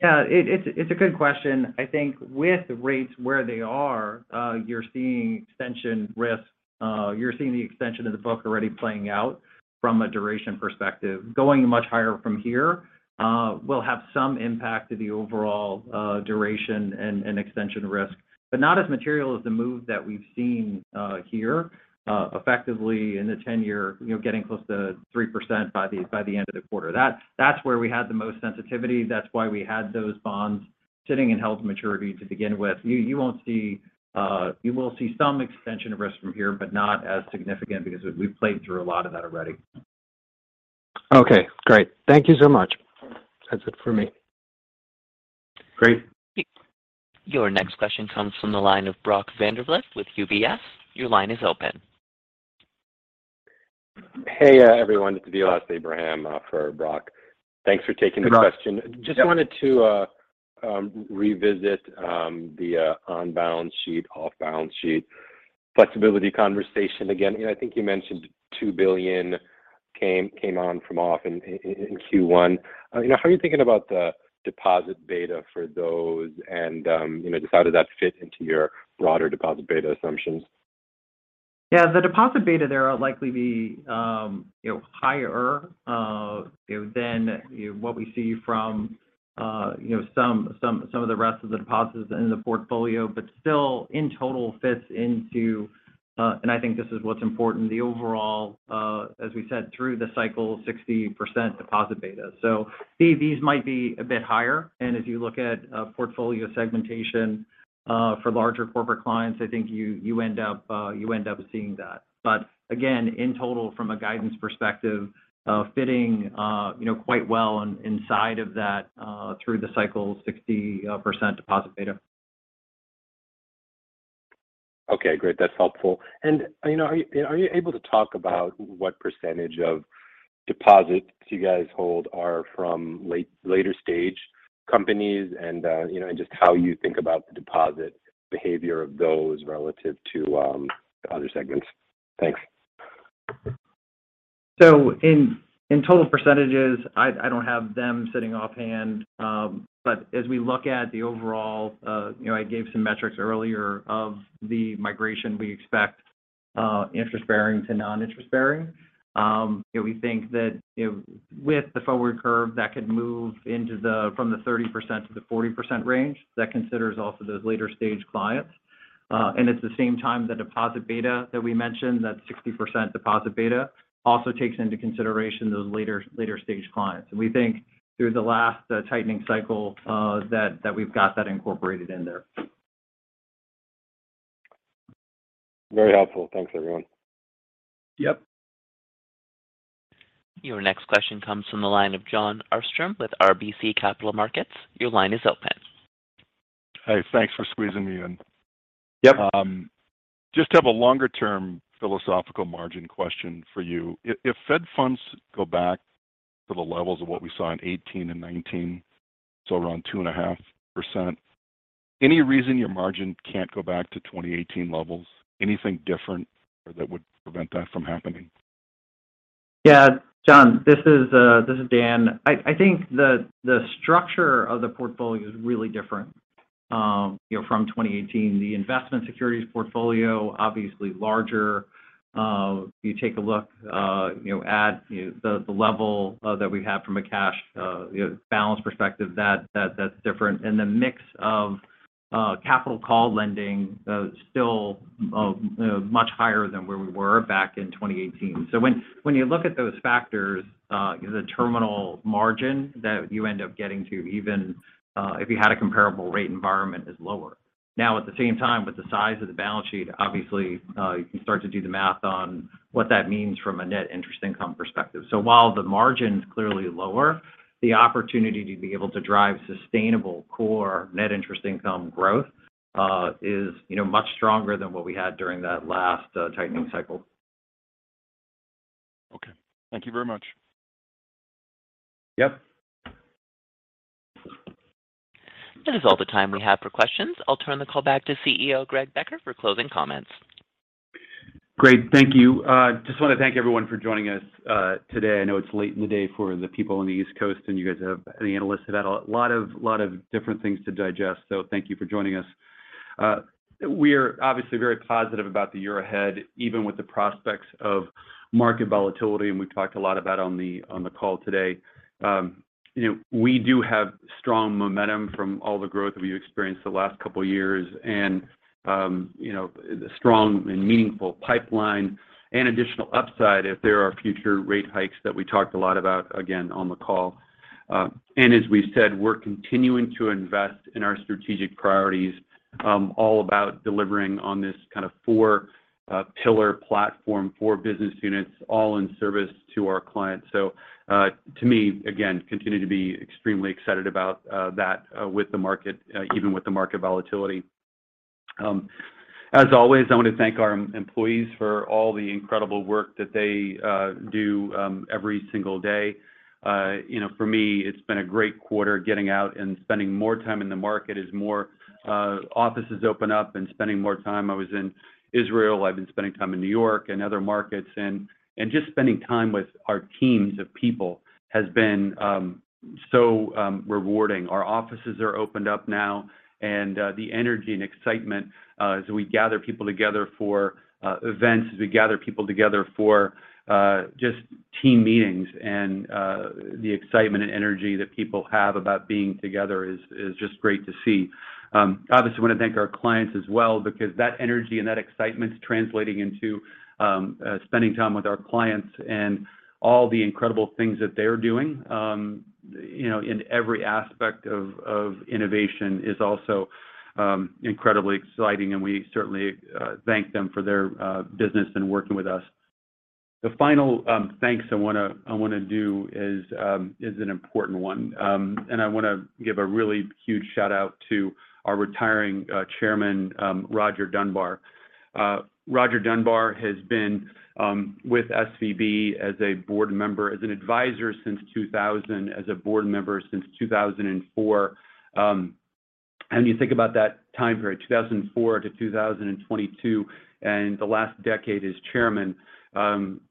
Yeah. It's a good question. I think with rates where they are, you're seeing extension risk. You're seeing the extension of the book already playing out from a duration perspective. Going much higher from here will have some impact to the overall duration and extension risk. But not as material as the move that we've seen here, effectively in the 10-year, you know, getting close to 3% by the end of the quarter. That's where we had the most sensitivity. That's why we had those bonds sitting in held-to-maturity to begin with. You will see some extension of risk from here, but not as significant because we've played through a lot of that already. Okay, great. Thank you so much. That's it for me. Great. Your next question comes from the line of Brock Vandervliet with UBS. Your line is open. Hey, everyone. It's Vilas Abraham for Brock. Thanks for taking the question. Hi. Just wanted to revisit the on-balance sheet, off-balance sheet flexibility conversation again. You know, I think you mentioned $2 billion came on from off-balance sheet in Q1. You know, how are you thinking about the deposit beta for those and, you know, just how did that fit into your broader deposit beta assumptions? Yeah. The deposit beta there will likely be, you know, higher, you know, than what we see from, you know, some of the rest of the deposits in the portfolio. Still, in total, fits into, and I think this is what's important, the overall, as we said, through the cycle, 60% deposit beta. These might be a bit higher. If you look at portfolio segmentation, for larger corporate clients, I think you end up seeing that. Again, in total, from a guidance perspective, fitting, you know, quite well inside of that, through the cycle 60% deposit beta. Okay, great. That's helpful. You know, are you able to talk about what percentage of deposits you guys hold are from later stage companies and, you know, and just how you think about the deposit behavior of those relative to other segments? Thanks. In total percentages, I don't have them sitting offhand. As we look at the overall, you know, I gave some metrics earlier of the migration we expect, interest-bearing to non-interest-bearing. You know, we think that with the forward curve, that could move from the 30%-40% range. That considers also those later stage clients. At the same time, the deposit beta that we mentioned, that 60% deposit beta also takes into consideration those later stage clients. We think through the last tightening cycle, that we've got that incorporated in there. Very helpful. Thanks, everyone. Yep. Your next question comes from the line of Jon Arfstrom with RBC Capital Markets. Your line is open. Hey, thanks for squeezing me in. Yep. Just have a longer-term philosophical margin question for you. If Fed funds go back to the levels of what we saw in 2018 and 2019, so around 2.5%, any reason your margin can't go back to 2018 levels? Anything different that would prevent that from happening? Yeah. John, this is Dan. I think the structure of the portfolio is really different, you know, from 2018. The investment securities portfolio, obviously larger. You take a look, you know, at the level that we have from a cash, you know, balance perspective, that's different. The mix of capital call lending still much higher than where we were back in 2018. When you look at those factors, the terminal margin that you end up getting to, even if you had a comparable rate environment, is lower. Now, at the same time, with the size of the balance sheet, obviously, you can start to do the math on what that means from a net interest income perspective. While the margin's clearly lower, the opportunity to be able to drive sustainable core net interest income growth is much stronger than what we had during that last tightening cycle. Okay. Thank you very much. Yep. That is all the time we have for questions. I'll turn the call back to CEO Greg Becker for closing comments. Great. Thank you. Just want to thank everyone for joining us today. I know it's late in the day for the people on the East Coast, and the analysts have had a lot of different things to digest. So thank you for joining us. We're obviously very positive about the year ahead, even with the prospects of market volatility, and we've talked a lot about on the call today. You know, we do have strong momentum from all the growth we've experienced the last couple years and, you know, strong and meaningful pipeline and additional upside if there are future rate hikes that we talked a lot about, again, on the call. As we've said, we're continuing to invest in our strategic priorities, all about delivering on this kind of four-pillar platform, four business units all in service to our clients. To me, again, I continue to be extremely excited about that with the market even with the market volatility. As always, I want to thank our employees for all the incredible work that they do every single day. You know, for me, it's been a great quarter getting out and spending more time in the market as more offices open up and spending more time. I was in Israel. I've been spending time in New York and other markets. And just spending time with our teams of people has been so rewarding. Our offices are opened up now, and the energy and excitement as we gather people together for events and just team meetings and the excitement and energy that people have about being together is just great to see. Obviously, we want to thank our clients as well because that energy and that excitement is translating into spending time with our clients. All the incredible things that they're doing, you know, in every aspect of innovation is also incredibly exciting, and we certainly thank them for their business and working with us. The final thanks I wanna do is an important one. I wanna give a really huge shout-out to our retiring Chairman, Roger Dunbar. Roger Dunbar has been with SVB as a board member, as an advisor since 2000, as a board member since 2004. You think about that time frame, 2004 to 2022, and the last decade as chairman,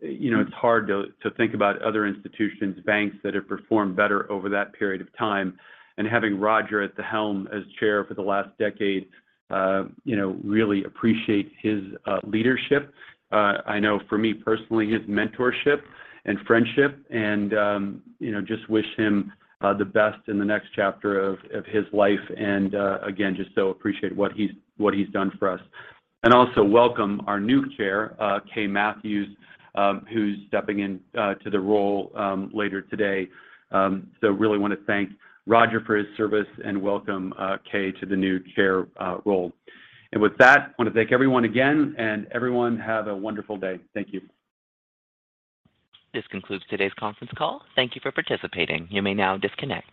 you know, it's hard to think about other institutions, banks that have performed better over that period of time. Having Roger at the helm as chair for the last decade, you know, really appreciate his leadership. I know for me personally, his mentorship and friendship and, you know, just wish him the best in the next chapter of his life. Again, just so appreciate what he's done for us. Also welcome our new chair, Kay Matthews, who's stepping in, to the role, later today. Really want to thank Roger for his service and welcome, Kay to the new chair, role. With that, I want to thank everyone again, and everyone have a wonderful day. Thank you. This concludes today's conference call. Thank you for participating. You may now disconnect.